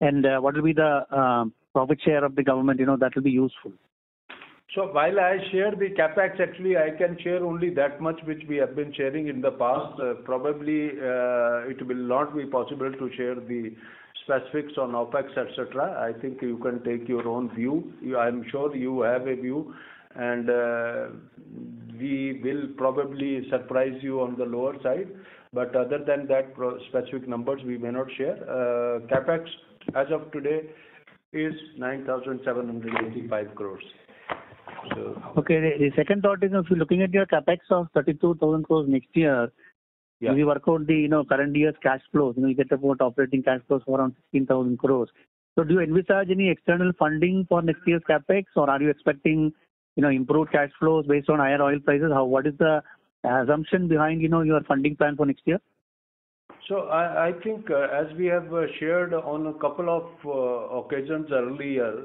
and what will be the profit share of the government? That will be useful. While I share the CapEx, actually, I can share only that much which we have been sharing in the past. Probably, it will not be possible to share the specifics on OpEx, et cetera. I think you can take your own view. I am sure you have a view, and we will probably surprise you on the lower side. Other than that, specific numbers we may not share. CapEx as of today is 9,785 crores. Okay. The second thought is, if you're looking at your CapEx of 32,000 crores next year- Yeah. If you work out the current year's cash flows, you get about operating cash flows around 16,000 crores. Do you envisage any external funding for next year's CapEx or are you expecting improved cash flows based on higher oil prices? What is the assumption behind your funding plan for next year? I think as we have shared on a couple of occasions earlier,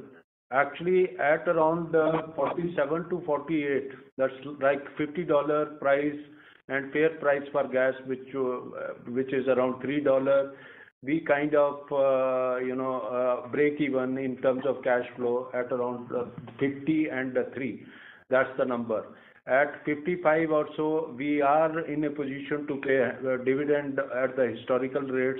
actually at around $47-$48, that's like $50 price and fair price for gas which is around $3, we kind of break even in terms of cash flow at around $50 and $3. That's the number. At $55 or so, we are in a position to pay dividend at the historical rates,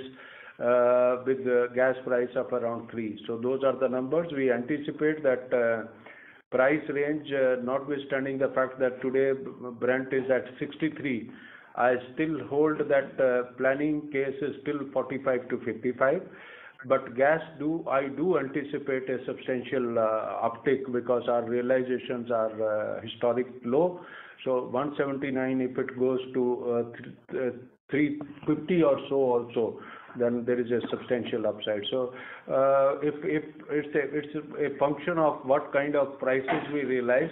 with gas price up around $3. Those are the numbers. We anticipate that price range, notwithstanding the fact that today Brent is at $63. I still hold that planning case is still $45-$55. Gas, I do anticipate a substantial uptick because our realizations are historic low. 179, if it goes to 350 or so also, then there is a substantial upside. It's a function of what kind of prices we realize.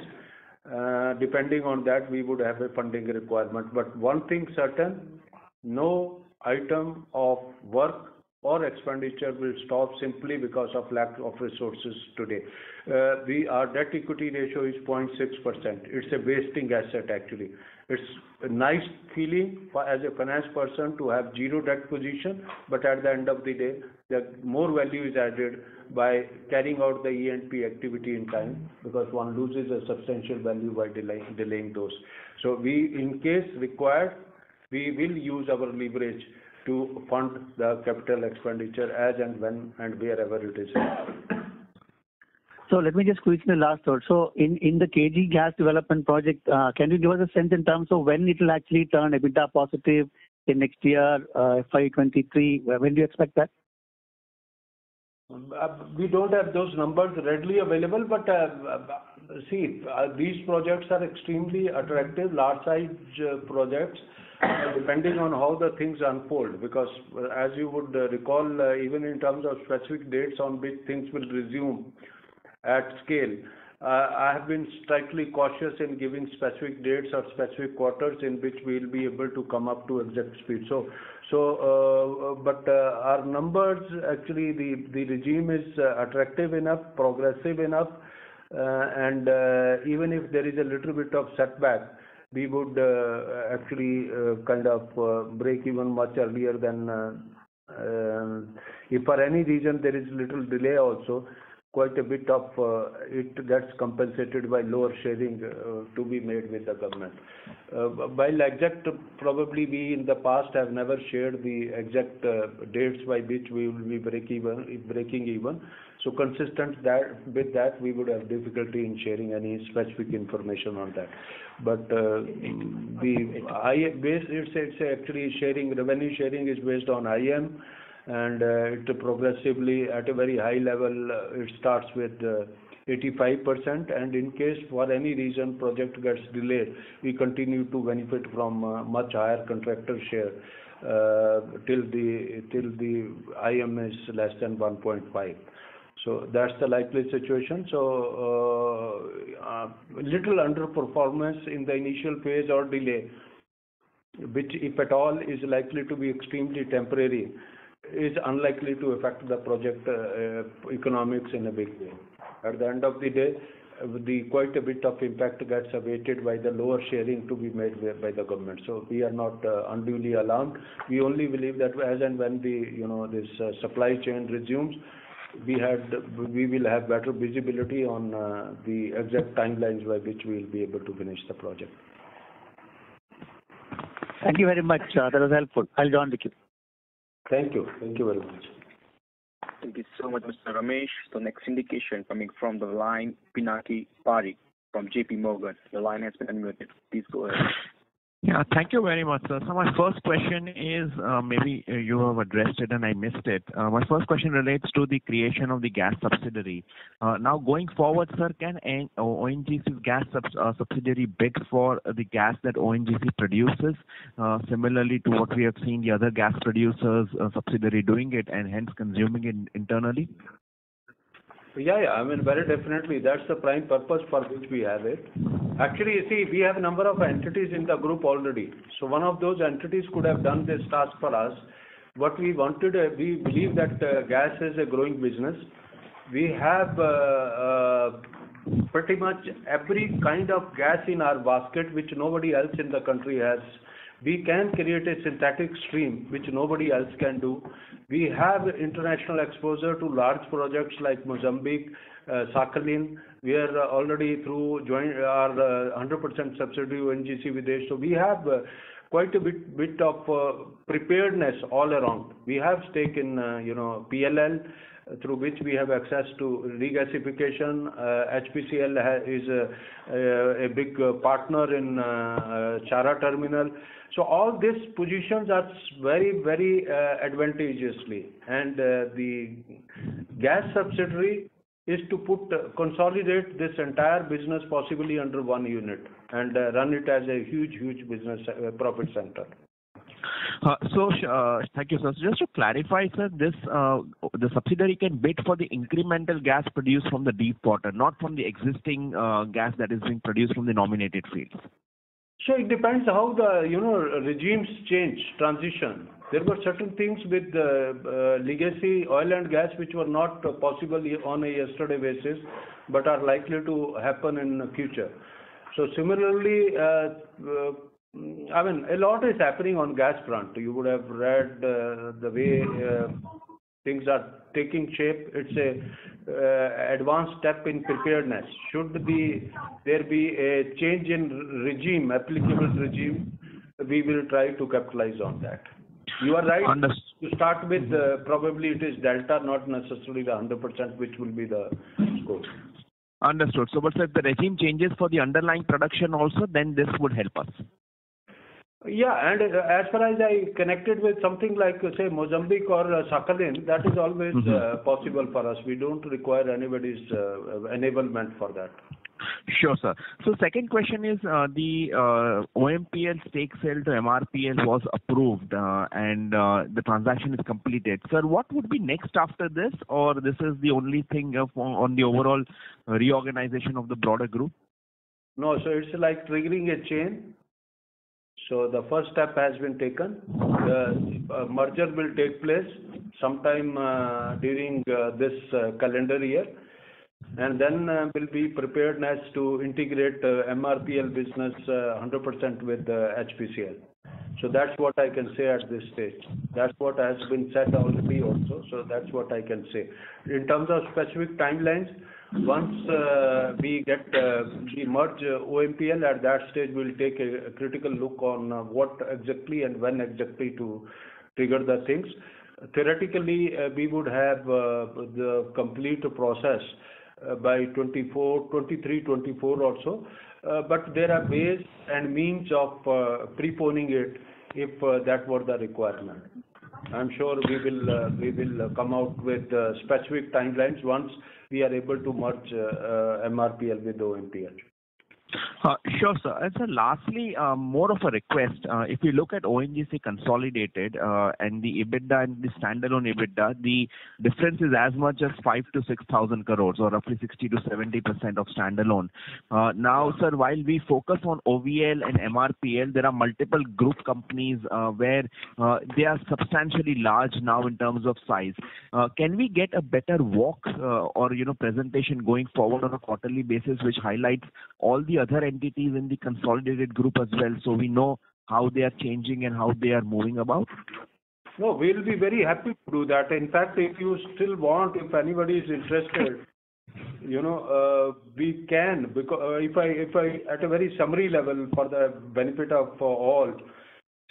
Depending on that, we would have a funding requirement. One thing certain, no item of work or expenditure will stop simply because of lack of resources today. Our debt equity ratio is 0.6%. It's a wasting asset, actually. It's a nice feeling as a finance person to have zero debt position. At the end of the day, more value is added by carrying out the E&P activity in time, because one loses a substantial value by delaying those. In case required, we will use our leverage to fund the capital expenditure as and when and wherever it is required. Let me just squeeze in the last also. In the KG Gas development project, can you give us a sense in terms of when it will actually turn EBITDA positive in next year, FY 2023? When do you expect that? We don't have those numbers readily available. See, these projects are extremely attractive, large size projects, and depending on how the things unfold. As you would recall, even in terms of specific dates on which things will resume at scale, I have been slightly cautious in giving specific dates or specific quarters in which we'll be able to come up to exact speed. Our numbers, actually, the regime is attractive enough, progressive enough, and even if there is a little bit of setback, we would actually break even much earlier than If for any reason there is little delay also, quite a bit of it gets compensated by lower sharing to be made with the government. While exact, probably we in the past have never shared the exact dates by which we will be breaking even. Consistent with that, we would have difficulty in sharing any specific information on that. It's actually revenue sharing is based on IM, and it progressively, at a very high level, it starts with 85%. In case for any reason project gets delayed, we continue to benefit from a much higher contractor share, till the IM is less than 1.5. That's the likely situation. A little underperformance in the initial phase or delay, which, if at all, is likely to be extremely temporary, is unlikely to affect the project economics in a big way. At the end of the day, quite a bit of impact gets [awaited] by the lower sharing to be made by the government. We are not unduly alarmed. We only believe that as and when this supply chain resumes, we will have better visibility on the exact timelines by which we will be able to finish the project. Thank you very much. That was helpful. I'll join the queue. Thank you. Thank you very much. Thank you so much, Mr. Ramesh. The next indication coming from the line, Pinakin Parekh from JPMorgan. Your line has been unmuted. Please go ahead. Yeah. Thank you very much, sir. My first question is, maybe you have addressed it and I missed it. My first question relates to the creation of the gas subsidiary. Going forward, sir, can ONGC's gas subsidiary bid for the gas that ONGC produces, similarly to what we have seen the other gas producer's subsidiary doing it and hence consuming it internally? Yeah. Very definitely. That's the prime purpose for which we have it. Actually, you see, we have a number of entities in the group already. One of those entities could have done this task for us. What we wanted, we believe that gas is a growing business. We have pretty much every kind of gas in our basket, which nobody else in the country has. We can create a synthetic stream, which nobody else can do. We have international exposure to large projects like Mozambique, Sakhalin. We are already through our 100% subsidiary, ONGC Videsh. We have quite a bit of preparedness all around. We have stake in PLL, through which we have access to regasification. HPCL is a big partner in Chhara terminal. All these positions are very advantageously. The gas subsidiary is to consolidate this entire business, possibly under one unit, and run it as a huge business profit center. Thank you, sir. Just to clarify, sir, the subsidiary can bid for the incremental gas produced from the deep water, not from the existing gas that is being produced from the nominated fields? It depends how the regimes change, transition. There were certain things with legacy oil and gas, which were not possible on a yesterday basis, but are likely to happen in future. Similarly, a lot is happening on gas front. You would have read the way things are taking shape. It's an advanced step in preparedness. Should there be a change in applicable regime, we will try to capitalize on that. You are right. Understood. To start with, probably it is delta, not necessarily the 100%, which will be the scope. Understood. Sir, the regime changes for the underlying production also, then this would help us? As far as I connected with something like, say, Mozambique or Sakhalin, that is always possible for us. We don't require anybody's enablement for that. Sure, sir. The second question is, the OMPL stake sale to MRPL was approved, and the transaction is completed. Sir, what would be next after this? This is the only thing on the overall reorganization of the broader group? No, it's like triggering a chain. The first step has been taken. The merger will take place sometime during this calendar year, and then we'll be prepared next to integrate MRPL business 100% with HPCL. That's what I can say at this stage. That's what has been said already also. That's what I can say. In terms of specific timelines, once we merge OMPL, at that stage, we'll take a critical look on what exactly and when exactly to trigger the things. Theoretically, we would have the complete process by 2023, 2024 or so. There are ways and means of preponing it, if that were the requirement. I'm sure we will come out with specific timelines once we are able to merge MRPL with OMPL. Sure, sir. Sir, lastly, more of a request. If we look at ONGC consolidated and the EBITDA and the standalone EBITDA, the difference is as much as 5,000 crore to 6,000 crore, or roughly 60%-70% of standalone. Sir, while we focus on OVL and MRPL, there are multiple group companies where they are substantially large now in terms of size. Can we get a better walk or presentation going forward on a quarterly basis which highlights all the other entities in the consolidated group as well, so we know how they are changing and how they are moving about? No, we'll be very happy to do that. In fact, if you still want, if anybody's interested, we can. If I, at a very summary level for the benefit of all,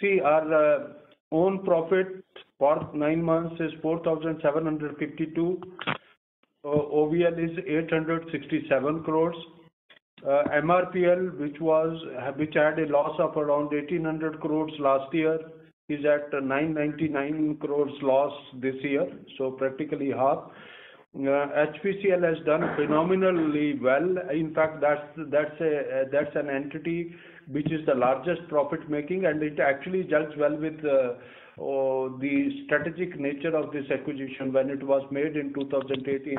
see our own profit for nine months is 4,752 crore. OVL is 867 crore. MRPL, which had a loss of around 1,800 crore last year, is at 999 crore loss this year. Practically half. HPCL has done phenomenally well. In fact, that's an entity which is the largest profit-making, and it actually gels well with the strategic nature of this acquisition when it was made in 2018.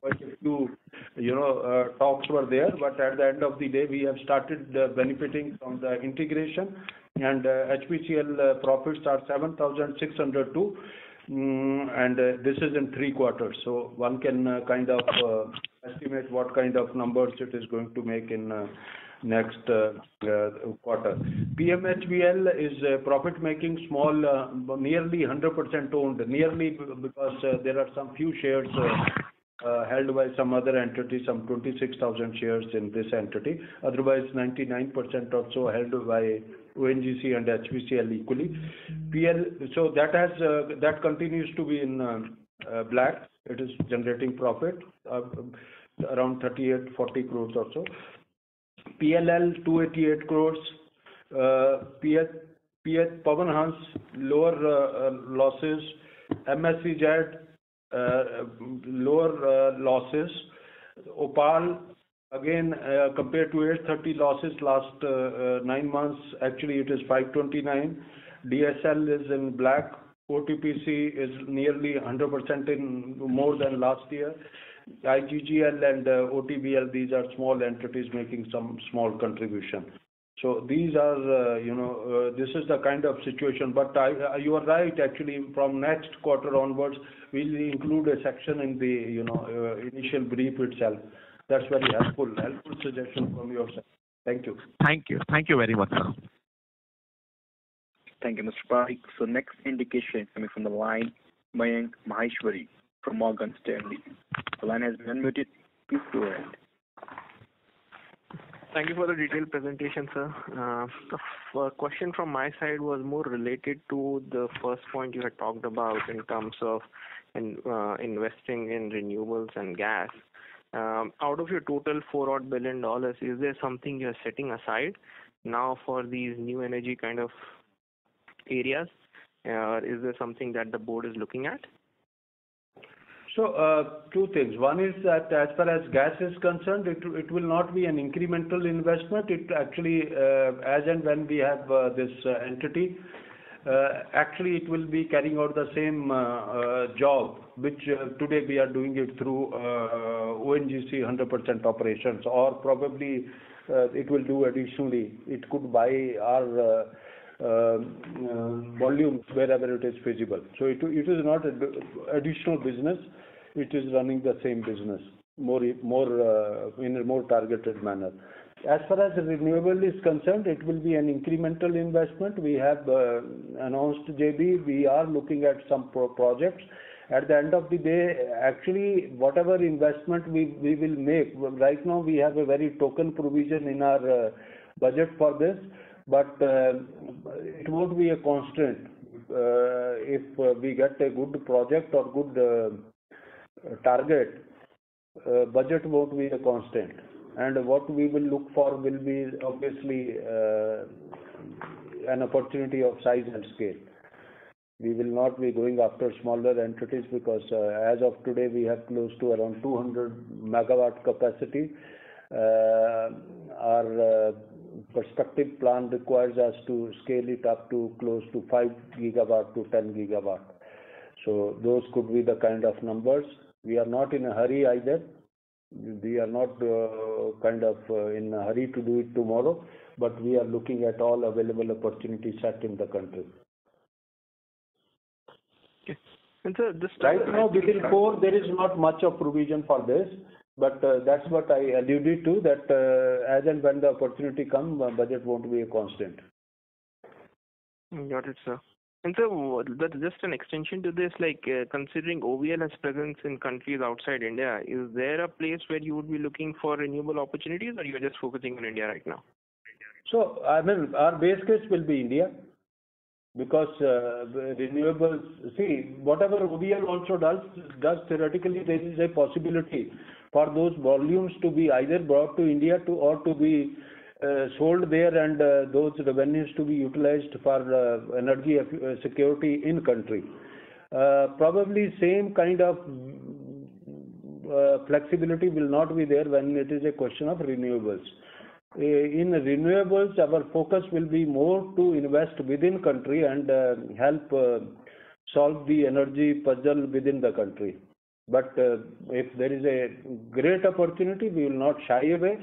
Quite a few talks were there. At the end of the day, we have started benefiting from the integration. HPCL profits are 7,602 crore. This is in three quarters. One can kind of estimate what kind of numbers it is going to make in next quarter. PMHBL is a profit-making, nearly 100% owned. Nearly, because there are some few shares held by some other entity, some 26,000 shares in this entity. Otherwise, 99% also held by ONGC and HPCL equally. That continues to be in black. It is generating profit, around 38-40 crore or so. PLL, 288 crore. PH, Pawan Hans, lower losses. MSEZ, lower losses. OPAL, again, compared to 830 losses last nine months, actually it is 529. DSL is in black. OTPC is nearly 100% in more than last year. IGGL and OTBL, these are small entities making some small contribution. This is the kind of situation. You are right, actually, from next quarter onwards, we'll include a section in the initial brief itself. That's very helpful suggestion from your side. Thank you. Thank you. Thank you very much, sir. Thank you, Mr. Pai. Next indication coming from the line, Mayank Maheshwari from Morgan Stanley. The line has been unmuted. Please go ahead. Thank you for the detailed presentation, sir. Question from my side was more related to the first point you had talked about in terms of investing in renewables and gas. Out of your total 4 odd billion, is there something you are setting aside now for these new energy kind of areas? Is there something that the board is looking at? Two things. One is that as far as gas is concerned, it will not be an incremental investment. It actually, as and when we have this entity, actually it will be carrying out the same job, which today we are doing it through ONGC 100% operations. Probably it will do additionally, it could buy our volume wherever it is feasible. It is not additional business. It is running the same business in a more targeted manner. As far as renewable is concerned, it will be an incremental investment. We have announced JV. We are looking at some projects. At the end of the day, actually, whatever investment we will make, right now we have a very token provision in our budget for this, but it won't be a constraint. If we get a good project or good target, budget won't be a constant, and what we will look for will be obviously an opportunity of size and scale. We will not be going after smaller entities because as of today, we have close to around 200 MW capacity. Our prospective plan requires us to scale it up to close to 5 GW-10 GW. Those could be the kind of numbers. We are not in a hurry either. We are not in a hurry to do it tomorrow, but we are looking at all available opportunities set in the country. Sir. Right now, within core, there is not much of provision for this, but that's what I alluded to, that as and when the opportunity comes, budget won't be a constant. Got it, sir. Sir, just an extension to this, considering OVL has presence in countries outside India, is there a place where you would be looking for renewable opportunities, or you are just focusing on India right now? Our base case will be India. See, whatever ONGC Videsh also does, theoretically, there is a possibility for those volumes to be either brought to India or to be sold there and those revenues to be utilized for energy security in country. Probably same kind of flexibility will not be there when it is a question of renewables. In renewables, our focus will be more to invest within country and help solve the energy puzzle within the country. If there is a great opportunity, we will not shy away.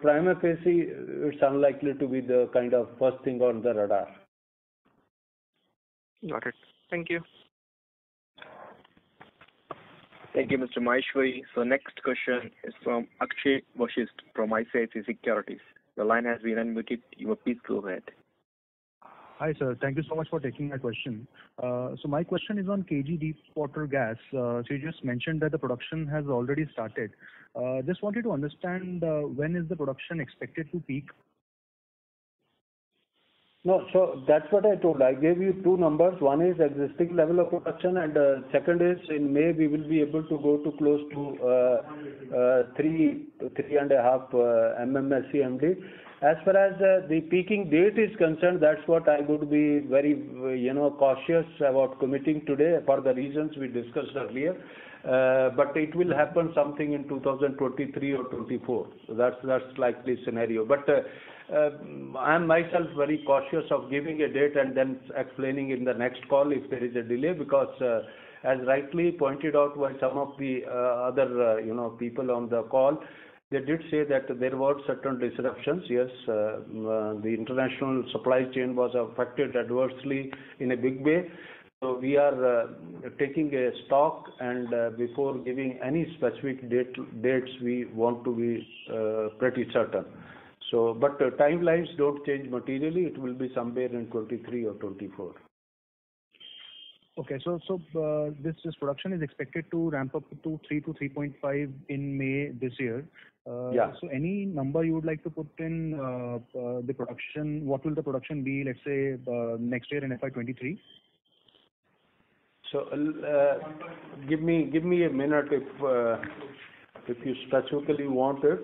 Prima facie, it's unlikely to be the kind of first thing on the radar. Got it. Thank you. Thank you, Mr. Maheshwari. Next question is from Aksh Vashishth from ICICI Securities. The line has been unmuted. You may please go ahead. Hi, sir. Thank you so much for taking my question. My question is on KG deep water gas. You just mentioned that the production has already started. Just wanted to understand, when is the production expected to peak? No. That's what I told. I gave you two numbers. One is existing level of production, and second is in May, we will be able to go to close to 3.5 MMSCMD. As far as the peaking date is concerned, that's what I would be very cautious about committing today for the reasons we discussed earlier. It will happen something in 2023 or 2024. That's likely scenario. I am myself very cautious of giving a date and then explaining in the next call if there is a delay, because as rightly pointed out by some of the other people on the call, they did say that there were certain disruptions. Yes, the international supply chain was affected adversely in a big way. We are taking a stock, and before giving any specific dates, we want to be pretty certain. Timelines don't change materially. It will be somewhere in 2023 or 2024. Okay. This production is expected to ramp up to three to 3.5 in May this year. Yeah. Any number you would like to put in the production? What will the production be, let's say, next year in FY 2023? Give me a minute, if you specifically want it.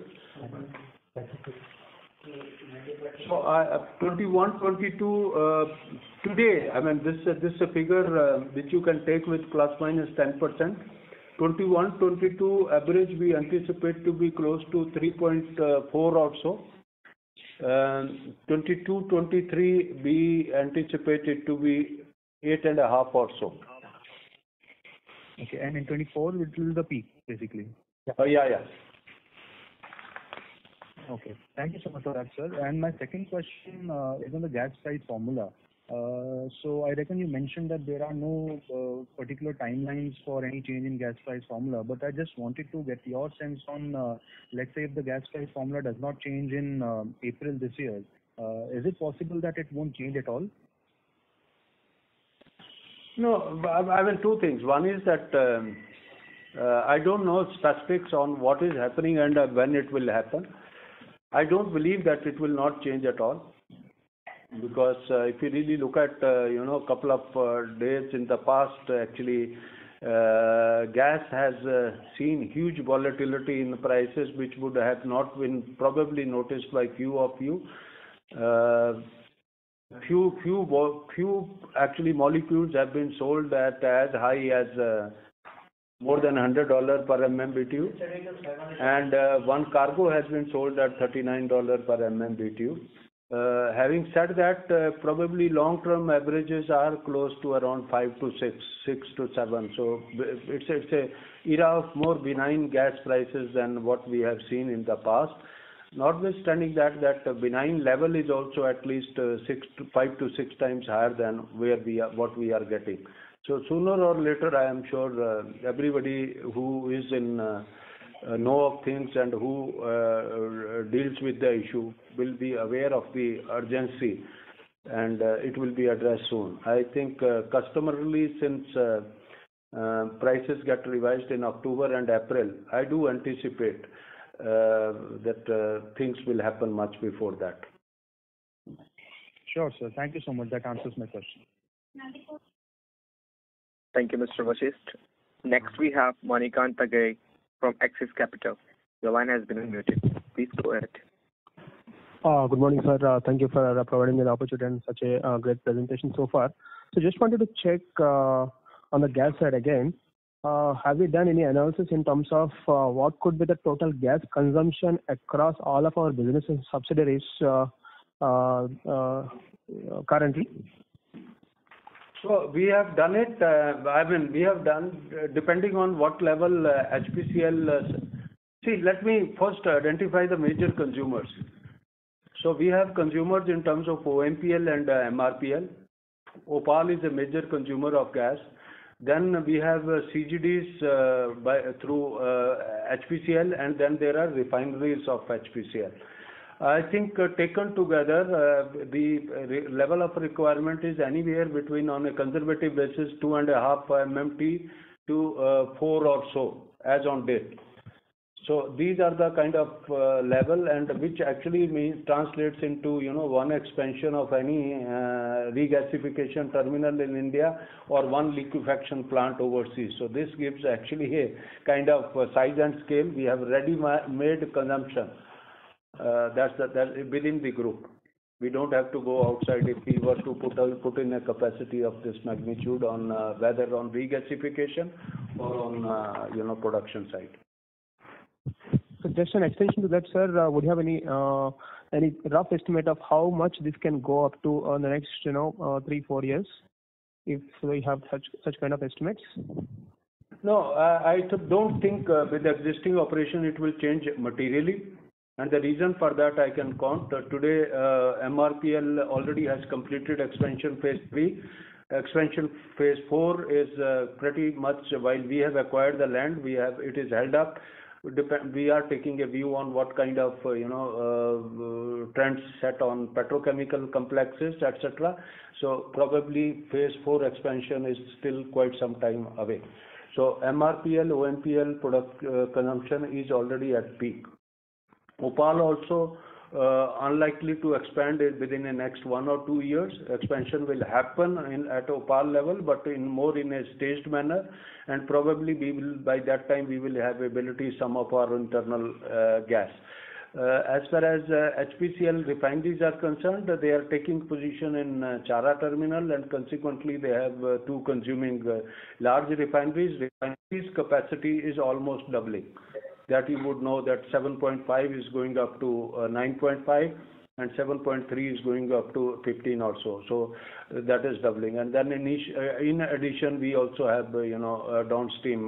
2021, 2022, today, this figure, which you can take with ∓10%. 2021, 2022 average, we anticipate to be close to 3.4% or so. 2022, 2023, we anticipate it to be 8.5% Or so. Okay. In 2024, it will the peak, basically? Yeah. Okay. Thank you so much for that, sir. My second question is on the gas price formula. I reckon you mentioned that there are no particular timelines for any change in gas price formula, but I just wanted to get your sense on, let's say, if the gas price formula does not change in April this year, is it possible that it won't change at all? No. I mean, two things. One is that I don't know specifics on what is happening and when it will happen. I don't believe that it will not change at all, because if you really look at a couple of days in the past, actually, gas has seen huge volatility in prices, which would have not been probably noticed by few of you. Few actually molecules have been sold at as high as more than $100 per MMBtu, and one cargo has been sold at $39 per MMBtu. Having said that, probably long term averages are close to around five to six to seven. It's an era of more benign gas prices than what we have seen in the past. Notwithstanding that benign level is also at least five to six times higher than what we are getting. Sooner or later, I am sure everybody who is in know of things and who deals with the issue will be aware of the urgency, and it will be addressed soon. I think customarily, since prices get revised in October and April, I do anticipate that things will happen much before that. Sure, sir. Thank you so much. That answers my question. Thank you, Mr. Vashishth. Next, we have Manikantha Garre from Axis Capital. Your line has been unmuted. Please go ahead. Good morning, sir. Thank you for providing me the opportunity and such a great presentation so far. Just wanted to check on the gas side again. Have you done any analysis in terms of what could be the total gas consumption across all of our businesses subsidiaries currently? We have done it. Depending on what level HPCL. Let me first identify the major consumers. We have consumers in terms of OMPL and MRPL. OPAL is a major consumer of gas. We have CGDs through HPCL, and then there are refineries of HPCL. I think taken together, the level of requirement is anywhere between, on a conservative basis, 2.5 MMT to 4 or so, as on date. These are the kind of level and which actually translates into one expansion of any regasification terminal in India or one liquefaction plant overseas. This gives actually a kind of size and scale. We have ready-made consumption. That's within the group. We don't have to go outside if we were to put in a capacity of this magnitude, whether on regasification or on production side. Just an extension to that, sir. Would you have any rough estimate of how much this can go up to on the next three, four years, if we have such kind of estimates? No, I don't think with the existing operation, it will change materially. The reason for that I can count. Today, MRPL already has completed expansion phase III. Expansion phase IV is pretty much, while we have acquired the land, it is held up. We are taking a view on what kind of trends set on petrochemical complexes, et cetera. Probably phase IV expansion is still quite some time away. MRPL, OMPL product consumption is already at peak. OPAL also unlikely to expand it within the next one or two years. Expansion will happen at OPAL level, but more in a staged manner, probably by that time, we will have ability some of our internal gas. As far as HPCL refineries are concerned, they are taking position in Chhara terminal, consequently, they have two consuming large refineries. Refineries capacity is almost doubling. That you would know that 7.5 is going up to 9.5, and 7.3 is going up to 15 or so. That is doubling. In addition, we also have downstream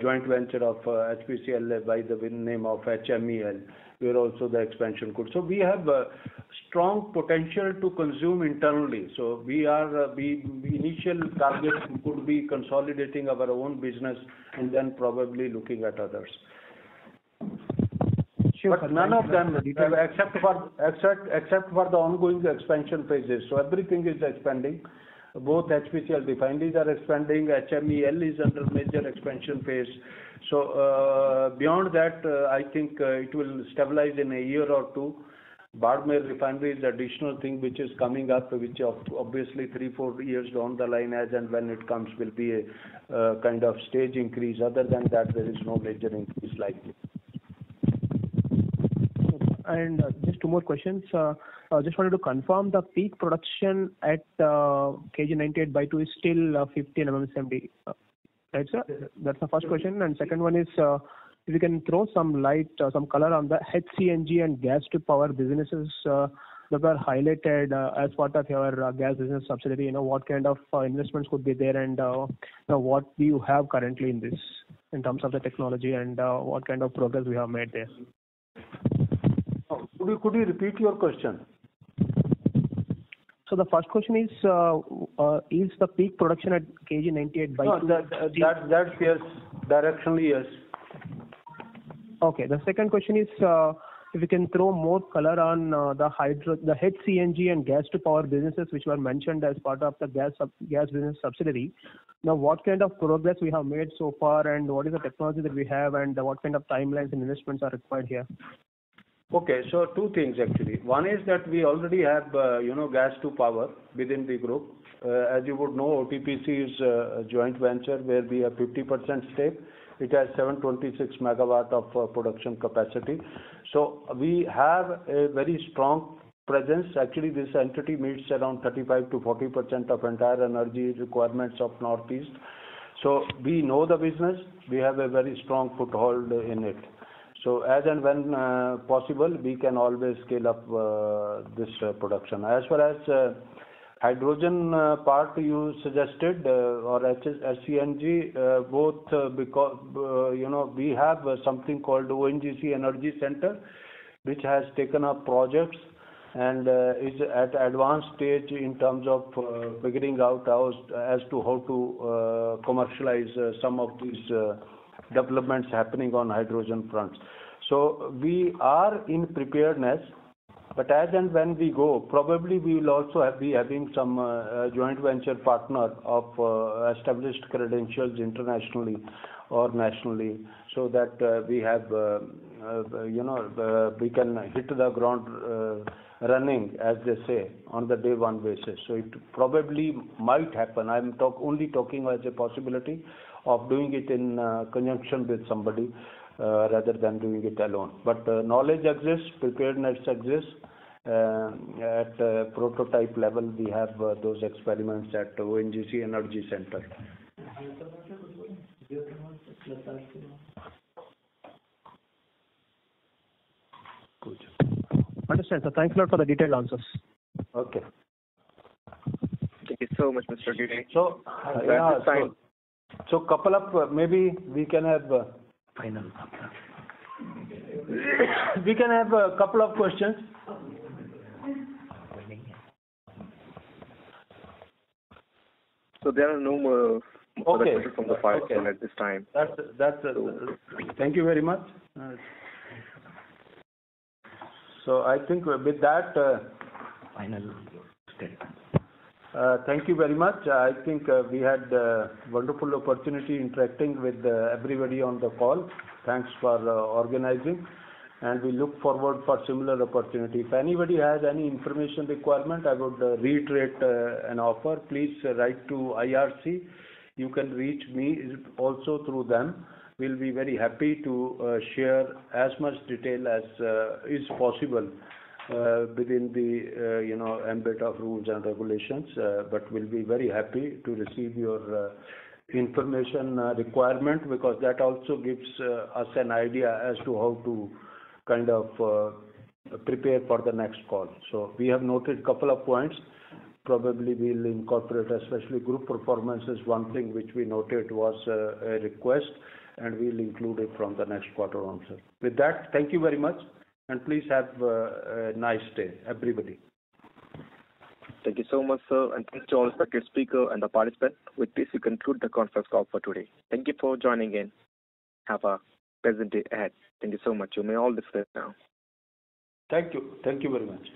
joint venture of HPCL by the name of HMEL, where also the expansion could. We have strong potential to consume internally. Initial target could be consolidating our own business and then probably looking at others. None of them, except for the ongoing expansion phases. Everything is expanding. Both HPCL refineries are expanding. HMEL is under major expansion phase. Beyond that, I think it will stabilize in a year or two. Barmer Refinery is additional thing which is coming up, which obviously three, four years down the line, as and when it comes, will be a kind of stage increase. Other than that, there is no major increase likely. Just two more questions. Just wanted to confirm the peak production at KG-DWN-98/2 is still 15 MMSCMD. Right, sir? That's the first question. Second one is, if you can throw some light, some color on the HCNG and gas to power businesses that are highlighted as part of your gas business subsidiary. What kind of investments could be there and what do you have currently in this in terms of the technology and what kind of progress we have made there? Could you repeat your question? the first question is the peak production at KG-DWN-98/2- No. That's yes. Directionally, yes. Okay. The second question is, if you can throw more color on the HCNG and gas to power businesses which were mentioned as part of the gas business subsidiary. What kind of progress we have made so far, and what is the technology that we have, and what kind of timelines and investments are required here? Okay. Two things, actually. One is that we already have gas to power within the group. As you would know, OTPC is a joint venture where we have 50% stake. It has 726 MW of production capacity. We have a very strong presence. Actually, this entity meets around 35%-40% of entire energy requirements of Northeast. We know the business. We have a very strong foothold in it. As and when possible, we can always scale up this production. As far as hydrogen part you suggested or HCNG, both, we have something called ONGC Energy Centre, which has taken up projects and is at advanced stage in terms of figuring out as to how to commercialize some of these developments happening on hydrogen fronts. We are in preparedness, but as and when we go, probably we will also be having some joint venture partner of established credentials internationally or nationally, so that we can hit the ground running, as they say, on the day one basis. It probably might happen. I am only talking as a possibility of doing it in conjunction with somebody, rather than doing it alone. Knowledge exists, preparedness exists. At prototype level, we have those experiments at ONGC Energy Centre. Understand, sir. Thanks a lot for the detailed answers. Okay. Thank you so much. <audio distortion> So couple of maybe we can have- Final. We can have a couple of questions. There are no more questions from the participant at this time. That's it. Thank you very much. I think with that. Final statement. Thank you very much. I think we had a wonderful opportunity interacting with everybody on the call. Thanks for organizing, and we look forward for similar opportunity. If anybody has any information requirement, I would reiterate an offer. Please write to IRC. You can reach me also through them. We'll be very happy to share as much detail as is possible within the ambit of rules and regulations. We'll be very happy to receive your information requirement because that also gives us an idea as to how to prepare for the next call. We have noted a couple of points. Probably we'll incorporate, especially group performance is one thing which we noted was a request, and we'll include it from the next quarter onwards. With that, thank you very much, and please have a nice day, everybody. Thank you so much, sir, and thank you all the guest speaker and the participant. With this, we conclude the conference call for today. Thank you for joining in. Have a pleasant day ahead. Thank you so much. You may all disperse now. Thank you. Thank you very much.